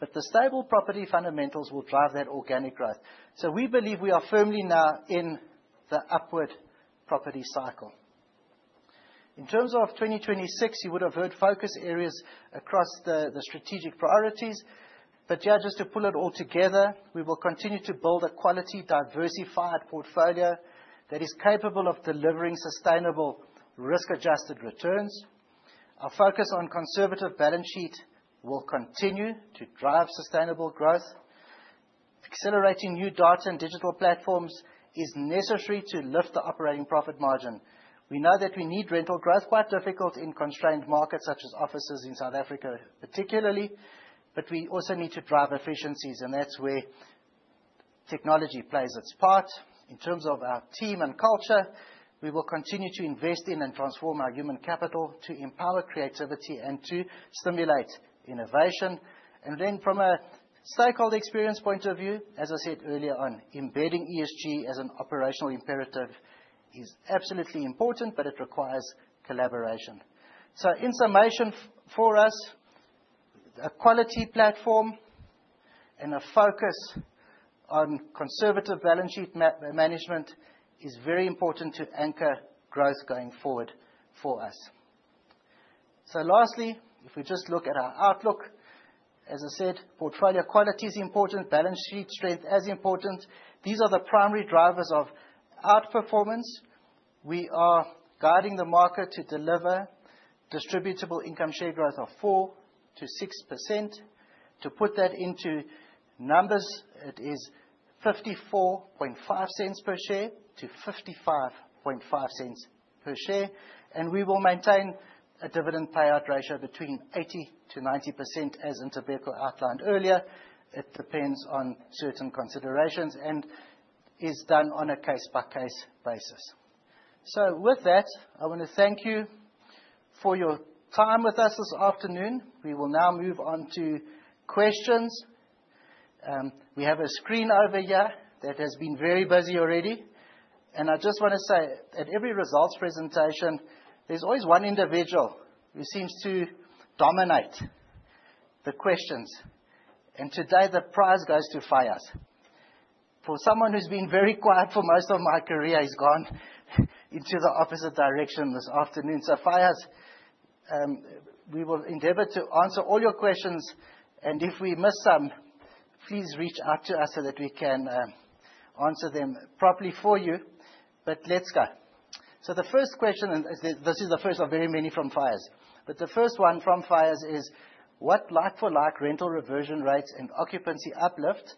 The stable property fundamentals will drive that organic growth. We believe we are firmly now in the upward property cycle. In terms of 2026, you would have heard focus areas across the strategic priorities. Yeah, just to pull it all together, we will continue to build a quality, diversified portfolio that is capable of delivering sustainable risk-adjusted returns. Our focus on conservative balance sheet will continue to drive sustainable growth. Accelerating new data and digital platforms is necessary to lift the operating profit margin. We know that we need rental growth, quite difficult in constrained markets such as offices in South Africa, particularly. We also need to drive efficiencies, and that's where technology plays its part. In terms of our team and culture, we will continue to invest in and transform our human capital to empower creativity and to stimulate innovation. From a stakeholder experience point of view, as I said earlier on, embedding ESG as an operational imperative is absolutely important, but it requires collaboration. In summation for us, a quality platform and a focus on conservative balance sheet management is very important to anchor growth going forward for us. Lastly, if we just look at our outlook, as I said, portfolio quality is important, balance sheet strength is important. These are the primary drivers of outperformance. We are guiding the market to deliver distributable income share growth of 4%-6%. To put that into numbers, it is 0.545 per share-ZAR 0.555 per share. We will maintain a dividend payout ratio between 80%-90%, as Ntobeko outlined earlier. It depends on certain considerations and is done on a case-by-case basis. With that, I wanna thank you for your time with us this afternoon. We will now move on to questions. We have a screen over here that has been very busy already. I just wanna say, at every results presentation, there's always one individual who seems to dominate the questions. Today, the prize goes to Fais. For someone who's been very quiet for most of my career, he's gone into the opposite direction this afternoon. Fais, we will endeavor to answer all your questions, and if we miss some, please reach out to us so that we can answer them properly for you. Let's go. The first question, and this is the first of very many from Fais. The first one from Fais is: What like-for-like rental reversion rates and occupancy uplift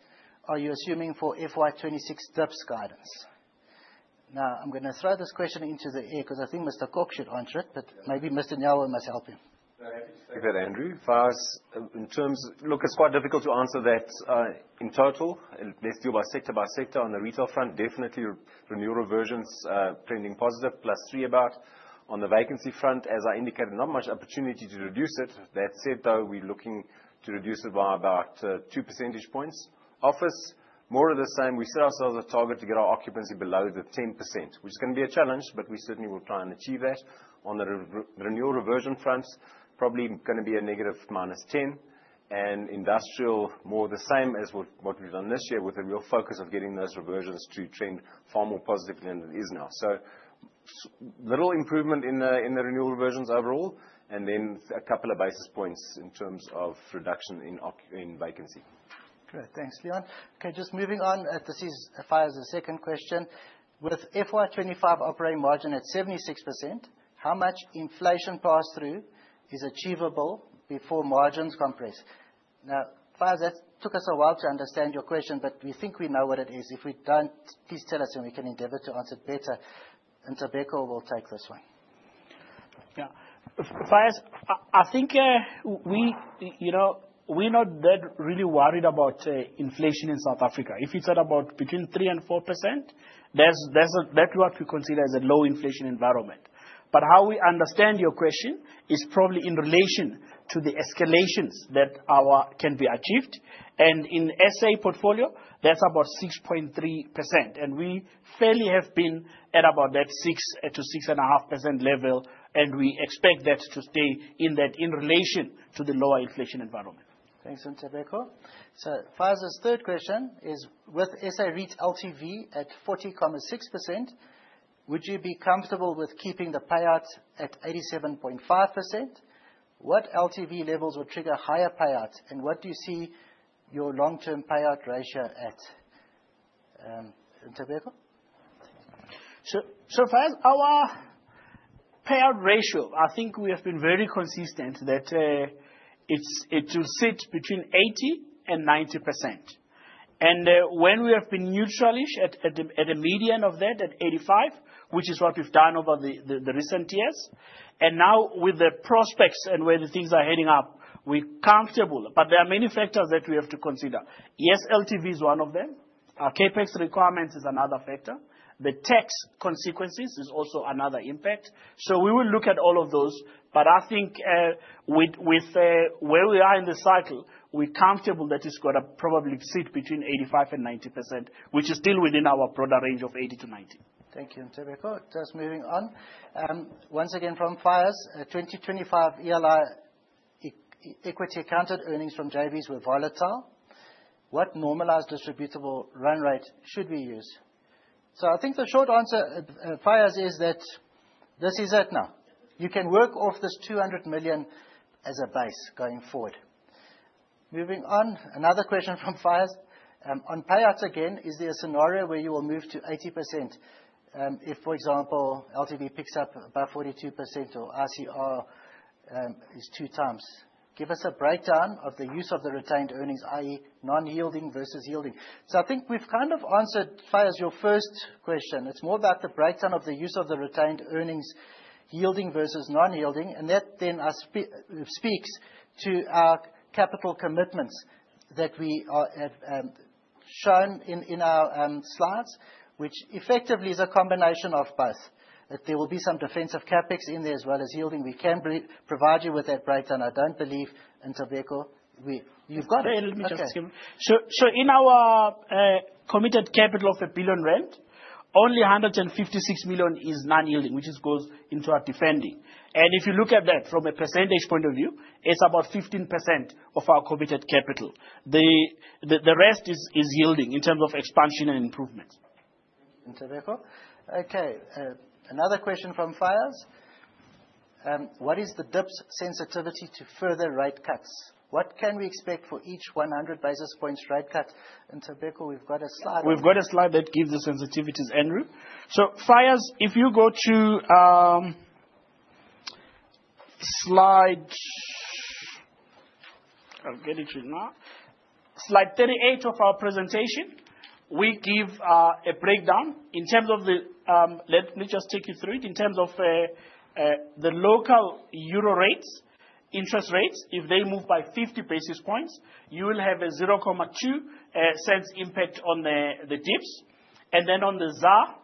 are you assuming for FY 2026 DIPS guidance? Now, I'm gonna throw this question into the air, because I think Mr. Kok should answer it, but maybe Mr. Nyawo must help him. Very happy to take that, Andrew. Fais... Look, it's quite difficult to answer that in total. Let's do sector by sector. On the retail front, definitely renewal reversions trending positive, plus 3 about. On the vacancy front, as I indicated, not much opportunity to reduce it. That said, though, we're looking to reduce it by about 2 percentage points. Office, more of the same. We set ourselves a target to get our occupancy below the 10%, which is gonna be a challenge, but we certainly will try and achieve that. On the renewal reversion front, probably gonna be a negative minus 10. Industrial, more of the same as what we've done this year, with a real focus of getting those reversions to trend far more positively than it is now. Slight improvement in the renewal reversions overall, and then a couple of basis points in terms of reduction in vacancy. Great. Thanks, Leon. Okay, just moving on. This is Fais' second question: With FY 2025 operating margin at 76%, how much inflation pass-through is achievable before margins compress? Now, Fais, that took us a while to understand your question, but we think we know what it is. If we don't, please tell us and we can endeavor to answer it better. Ntobeko will take this one. Yeah. Fais, I think, you know, we're not really worried about inflation in South Africa. If it's at about 3%-4%, that's what we consider as a low inflation environment. How we understand your question is probably in relation to the escalations that can be achieved. In SA portfolio, that's about 6.3%, and we fairly have been at about that 6%-6.5% level, and we expect that to stay in that, in relation to the lower inflation environment. Thanks, Nthabeko. Fais' third question is: With SA REIT LTV at 40.6%, would you be comfortable with keeping the payout at 87.5%? What LTV levels would trigger higher payouts, and what do you see your long-term payout ratio at? Nthabeko? Fais, our payout ratio, I think we have been very consistent that it will sit between 80%-90%. When we have been neutral-ish at the median of that, at 85%, which is what we've done over the recent years. Now with the prospects and where the things are heading up, we're comfortable. There are many factors that we have to consider. Yes, LTV is one of them. Our CapEx requirements is another factor. The tax consequences is also another impact. We will look at all of those, but I think with where we are in the cycle, we're comfortable that it's gonna probably sit between 85%-90%, which is still within our broader range of 80%-90%. Thank you, Nthabeko. Just moving on. Once again, from Fais: 2025 ELI equity accounted earnings from JVs were volatile. What normalized distributable run rate should we use? I think the short answer, Fais, is that this is it now. You can work off this 200 million as a base going forward. Moving on, another question from Fais. On payouts again: Is there a scenario where you will move to 80%, if, for example, LTV picks up above 42% or ICR is 2x? Give us a breakdown of the use of the retained earnings, i.e., non-yielding versus yielding. I think we've kind of answered, Fais, your first question. It's more about the breakdown of the use of the retained earnings yielding versus non-yielding, and that then speaks to our capital commitments that we are shown in our slides, which effectively is a combination of both. That there will be some defensive CapEx in there, as well as yielding. We can provide you with that breakdown. I don't believe, Nthabeko. You've got it. Let me just give them. Okay. In our committed capital of 1 billion rand, only 156 million is non-yielding, which goes into our development. If you look at that from a percentage point of view, it's about 15% of our committed capital. The rest is yielding in terms of expansion and improvements. Nthabeko. Okay. Another question from Fais: What is the DIPS sensitivity to further rate cuts? What can we expect for each 100 basis points rate cut? Nthabeko, we've got a slide on that. We've got a slide that gives the sensitivities, Andrew. Fais, if you go to slide 38, I'll get it to you now. Slide 38 of our presentation, we give a breakdown. Let me just take you through it. In terms of the local Euro rates, interest rates, if they move by 50 basis points, you will have a 0.002 impact on the DIPS. On the ZAR,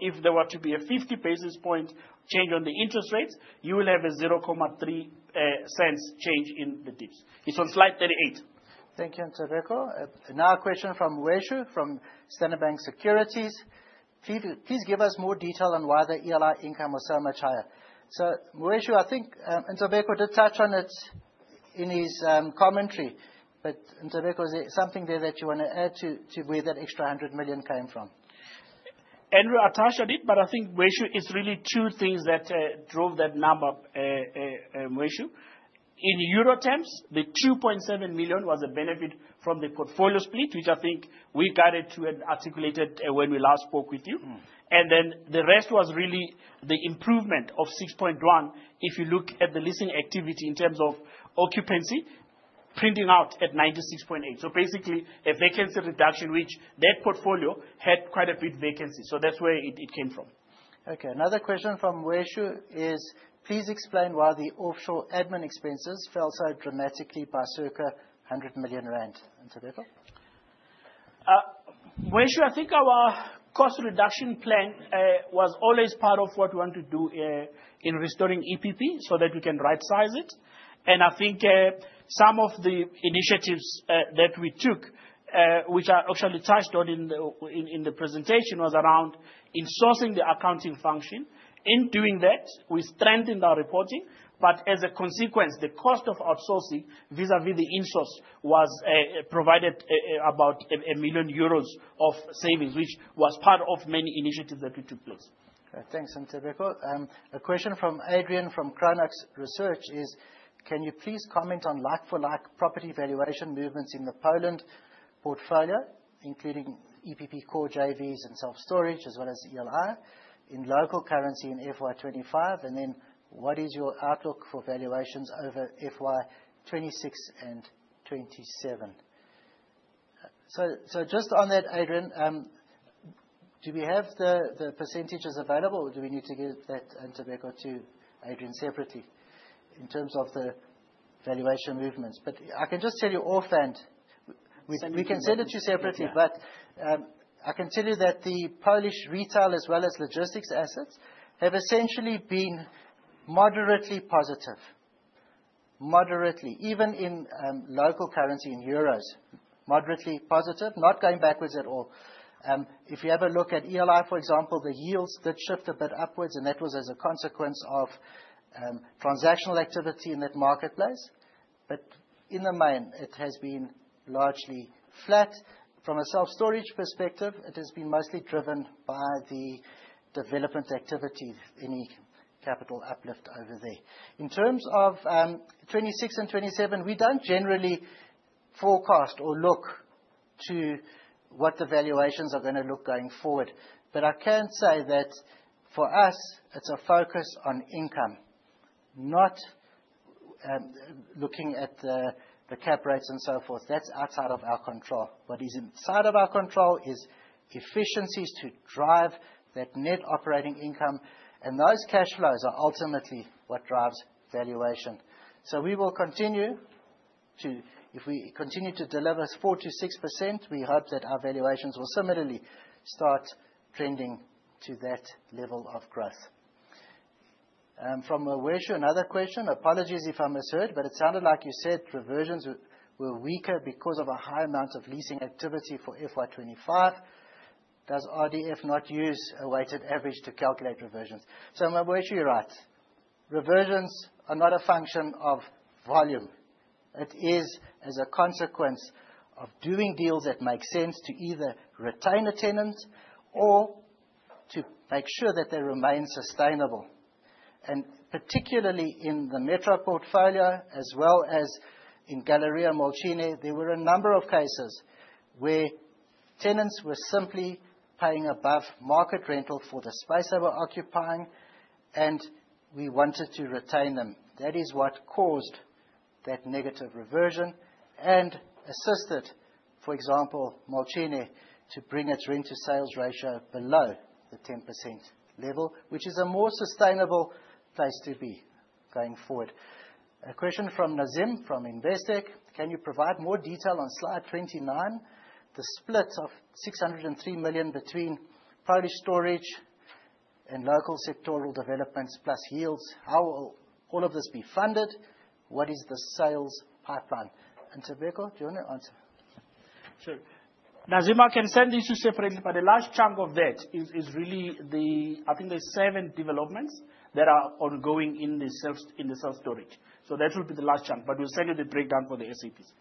if there were to be a 50 basis point change on the interest rates, you will have a 0.003 change in the DIPS. It's on slide 38. Thank you, Nthabeko. Now a question from Moeshue from Standard Bank Securities: Please give us more detail on why the ELI income was so much higher. Moeshue, I think Nthabeko did touch on it in his commentary. Nthabeko, is there something there that you wanna add to where that extra 100 million came from? We touched on it, but I think, Weshu, it's really two things that drove that number, Weshu. In euro terms, the 2.7 million was a benefit from the portfolio split, which I think we guided to and articulated when we last spoke with you. Mm. The rest was really the improvement of 6.1%. If you look at the leasing activity in terms of occupancy, printing out at 96.8%. Basically, a vacancy reduction, which that portfolio had quite a bit of vacancy. That's where it came from. Okay. Another question from Weshu is, Please explain why the offshore admin expenses fell so dramatically by circa 100 million rand, Nthabeko. Weshu, I think our cost reduction plan was always part of what we want to do in restoring EPP so that we can rightsize it. I think some of the initiatives that we took, which are actually touched on in the presentation, was around insourcing the accounting function. In doing that, we strengthened our reporting, but as a consequence, the cost of outsourcing, vis-à-vis the insource, provided about 1 million euros of savings, which was part of many initiatives that took place. Thanks, Ntobeko. A question from Adrian from Chronex Research is, Can you please comment on like-for-like property valuation movements in the Poland portfolio, including EPP core JVs and self-storage, as well as ELI, in local currency in FY 2025, and then what is your outlook for valuations over FY 2026 and 2027? Just on that, Adrian, do we have the percentages available or do we need to give that, Ntobeko, to Adrian separately in terms of the valuation movements? But I can just tell you offhand. Send it to him. We can send it to you separately. Yeah. I can tell you that the Polish retail as well as logistics assets have essentially been moderately positive. Moderately, even in local currency, in euros. Moderately positive, not going backwards at all. If you have a look at ELI, for example, the yields did shift a bit upwards, and that was as a consequence of transactional activity in that marketplace. In the main, it has been largely flat. From a self-storage perspective, it has been mostly driven by the development activity, any capital uplift over there. In terms of 2026 and 2027, we don't generally forecast or look to what the valuations are gonna look going forward. I can say that for us, it's a focus on income, not looking at the cap rates and so forth. That's outside of our control. What is inside of our control is efficiencies to drive that net operating income, and those cash flows are ultimately what drives valuation. If we continue to deliver 4%-6%, we hope that our valuations will similarly start trending to that level of growth. From Weshu, another question. Apologies if I misheard, but it sounded like you said reversions were weaker because of a high amount of leasing activity for FY 2025. Does RDF not use a weighted average to calculate reversions? Weshu, you're right. Reversions are not a function of volume. It is as a consequence of doing deals that make sense to either retain the tenants or to make sure that they remain sustainable. Particularly in the Metro portfolio, as well as in Galeria Mokotów, there were a number of cases where tenants were simply paying above market rental for the space they were occupying, and we wanted to retain them. That is what caused that negative reversion and assisted, for example, Mokotów to bring its rent to sales ratio below the 10% level, which is a more sustainable place to be going forward. A question from Nazim from Investec. Can you provide more detail on slide 29, the split of 603 million between Polish storage and local sectoral developments plus yields? How will all of this be funded? What is the sales pipeline? Nthabeko, do you wanna answer? Sure. Nazim, I can send these to you separately, but the last chunk of that is really, I think, the 7 developments that are ongoing in the self-storage. That will be the last chunk, but we'll send you the breakdown for the SAPs.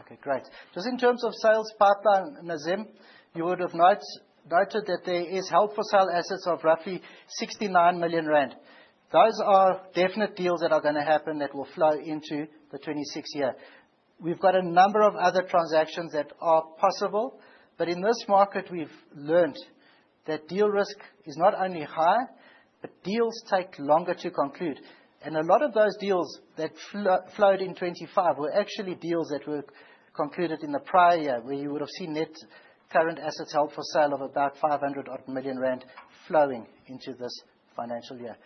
Okay, great. Just in terms of sales pipeline, Nazim, you would have not noted that there is held for sale assets of roughly 69 million rand. Those are definite deals that are gonna happen that will flow into the 2026 year. We've got a number of other transactions that are possible, but in this market we've learned that deal risk is not only high, but deals take longer to conclude. A lot of those deals that flowed in 2025 were actually deals that were concluded in the prior year, where you would have seen net current assets held for sale of about 500 million rand flowing into this financial year.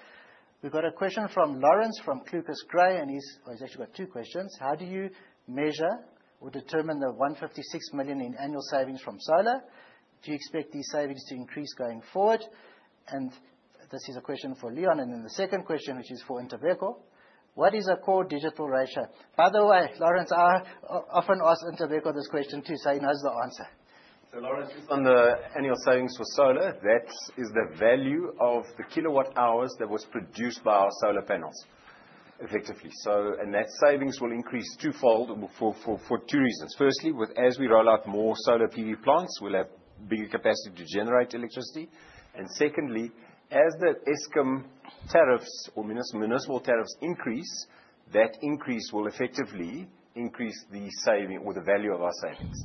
We've got a question from Lawrence, from ClucasGray, and he's. Well, he's actually got two questions. How do you measure or determine the 156 million in annual savings from solar? Do you expect these savings to increase going forward? This is a question for Leon. The second question, which is for Ntobeko. What is a core digital ratio? By the way, Lawrence, I often ask Ntobeko this question too, so he knows the answer. Lawrence, just on the annual savings for solar, that is the value of the kilowatt hours that was produced by our solar panels, effectively. That savings will increase twofold for two reasons. Firstly, as we roll out more solar PV plants, we'll have bigger capacity to generate electricity. Secondly, as the Eskom tariffs or municipal tariffs increase, that increase will effectively increase the saving or the value of our savings.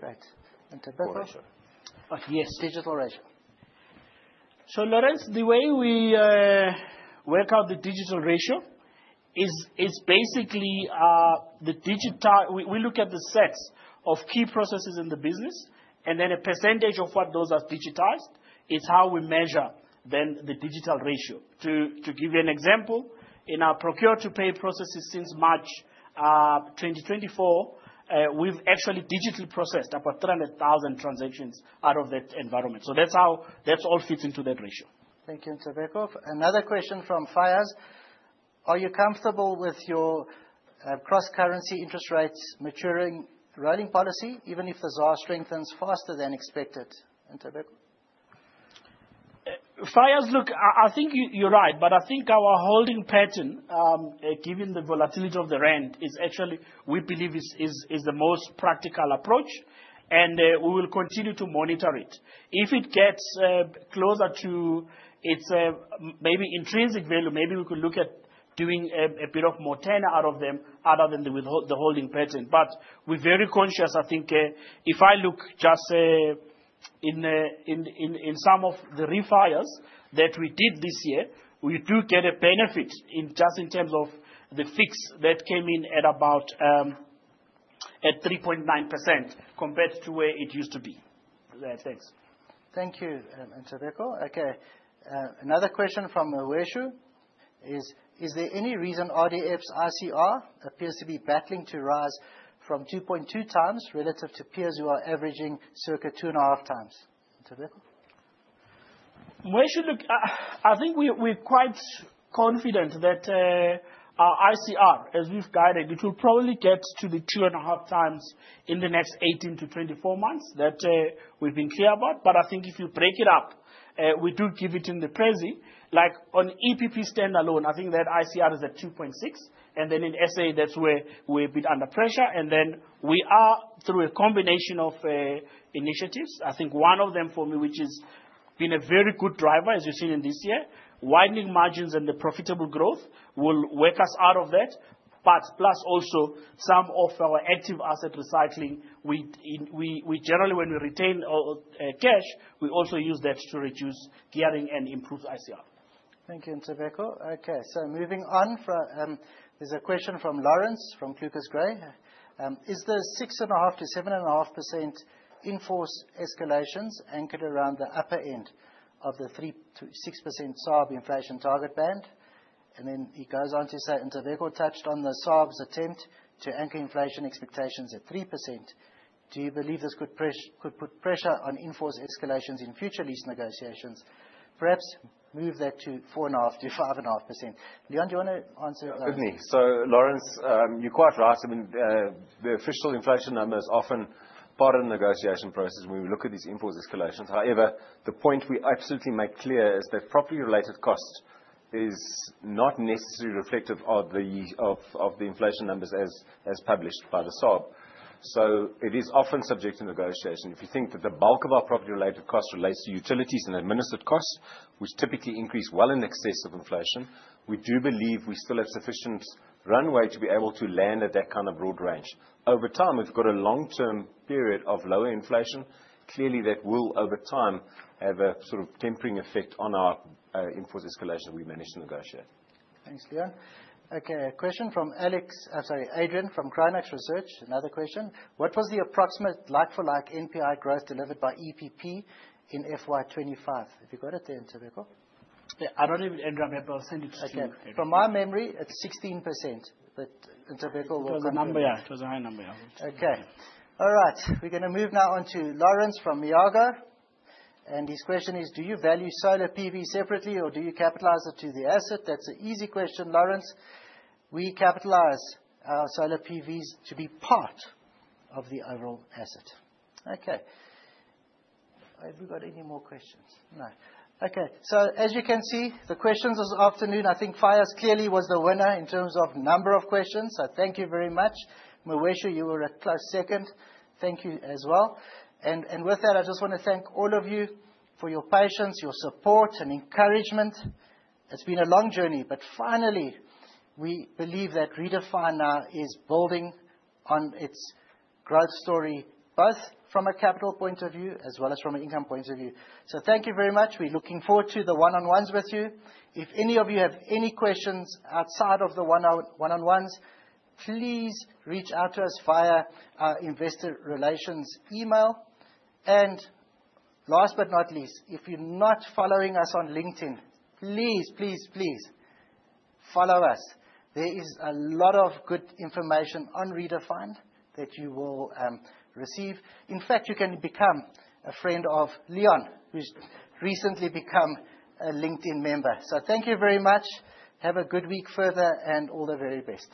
Great. Nthabeko? Digital ratio. Yes, digital ratio. Lawrence, the way we work out the digital ratio is basically we look at the sets of key processes in the business, and then a percentage of what those are digitized is how we measure the digital ratio. To give you an example, in our procure to pay processes since March 2024, we've actually digitally processed about 300,000 transactions out of that environment. That's how that all fits into that ratio. Thank you, Ntobeko. Another question from Fais. Are you comfortable with your cross-currency interest rates maturing hedging policy, even if the ZAR strengthens faster than expected? Ntobeko? Fias, look, I think you're right, but I think our holding pattern, given the volatility of the rand, is actually we believe the most practical approach. We will continue to monitor it. If it gets closer to its maybe intrinsic value, maybe we could look at doing a bit more than the holding pattern. But we're very conscious. I think if I look just in some of the refis that we did this year, we do get a benefit in just in terms of the fix that came in at about 3.9% compared to where it used to be. Yeah. Thanks. Thank you, Ntobeko. Okay, another question from Aweshu is: Is there any reason RDF's ICR appears to be battling to rise from 2.2 times relative to peers who are averaging circa 2.5 times? Ntobeko? Aweshu, look, I think we're quite confident that our ICR, as we've guided, it will probably get to the 2.5 times in the next 18-24 months. That we've been clear about. I think if you break it up, we do give it in the Prezi. Like, on EPP standalone, I think that ICR is at 2.6. In SA, that's where we're a bit under pressure. We are through a combination of initiatives. I think one of them for me, which has been a very good driver, as you've seen in this year, widening margins and the profitable growth will work us out of that. Plus also some of our active asset recycling, when we retain cash, we also use that to reduce gearing and improve ICR. Thank you, Ntobeko. Okay, moving on. There's a question from Lawrence, from ClucasGray. Is the 6.5%-7.5% in-force escalations anchored around the upper end of the 3%-6% SARB inflation target band? He goes on to say, Ntobeko touched on the SARB's attempt to anchor inflation expectations at 3%. Do you believe this could put pressure on in-force escalations in future lease negotiations? Perhaps move that to 4.5%-5.5%. Leon, do you want to answer? Certainly. Lawrence, you're quite right. I mean, the official inflation number is often part of the negotiation process when we look at these in-force escalations. However, the point we absolutely make clear is that property-related cost is not necessarily reflective of the inflation numbers as published by the SARB. It is often subject to negotiation. If you think that the bulk of our property-related cost relates to utilities and administered costs, which typically increase well in excess of inflation, we do believe we still have sufficient runway to be able to land at that kind of broad range. Over time, we've got a long-term period of lower inflation. Clearly, that will, over time, have a sort of tempering effect on our in-force escalation we managed to negotiate. Thanks, Leon. Okay, a question from Alex, I'm sorry, Adrian from Coronation Research. Another question. What was the approximate like-for-like NPI growth delivered by EPP in FY 2025? Have you got it there, Ntobeko? Yeah, I don't have it in front of me, but I'll send it to you. Okay. From my memory, it's 16%. Ntobeko will confirm that. It was a number, yeah. It was a high number, yeah. Okay. All right. We're gonna move now on to Lawrence from Miaga. His question is: Do you value solar PV separately, or do you capitalize it to the asset? That's an easy question, Lawrence. We capitalize our solar PVs to be part of the overall asset. Okay. Have we got any more questions? No. Okay. As you can see, the questions this afternoon, I think Fias clearly was the winner in terms of number of questions. Thank you very much. Aweshu, you were a close second. Thank you as well. With that, I just wanna thank all of you for your patience, your support and encouragement. It's been a long journey, but finally, we believe that Redefine now is building on its growth story, both from a capital point of view as well as from an income point of view. Thank you very much. We're looking forward to the one-on-ones with you. If any of you have any questions outside of the one-on-ones, please reach out to us via our investor relations email. Last but not least, if you're not following us on LinkedIn, please, please follow us. There is a lot of good information on Redefine that you will receive. In fact, you can become a friend of Leon, who's recently become a LinkedIn member. Thank you very much. Have a good week further and all the very best.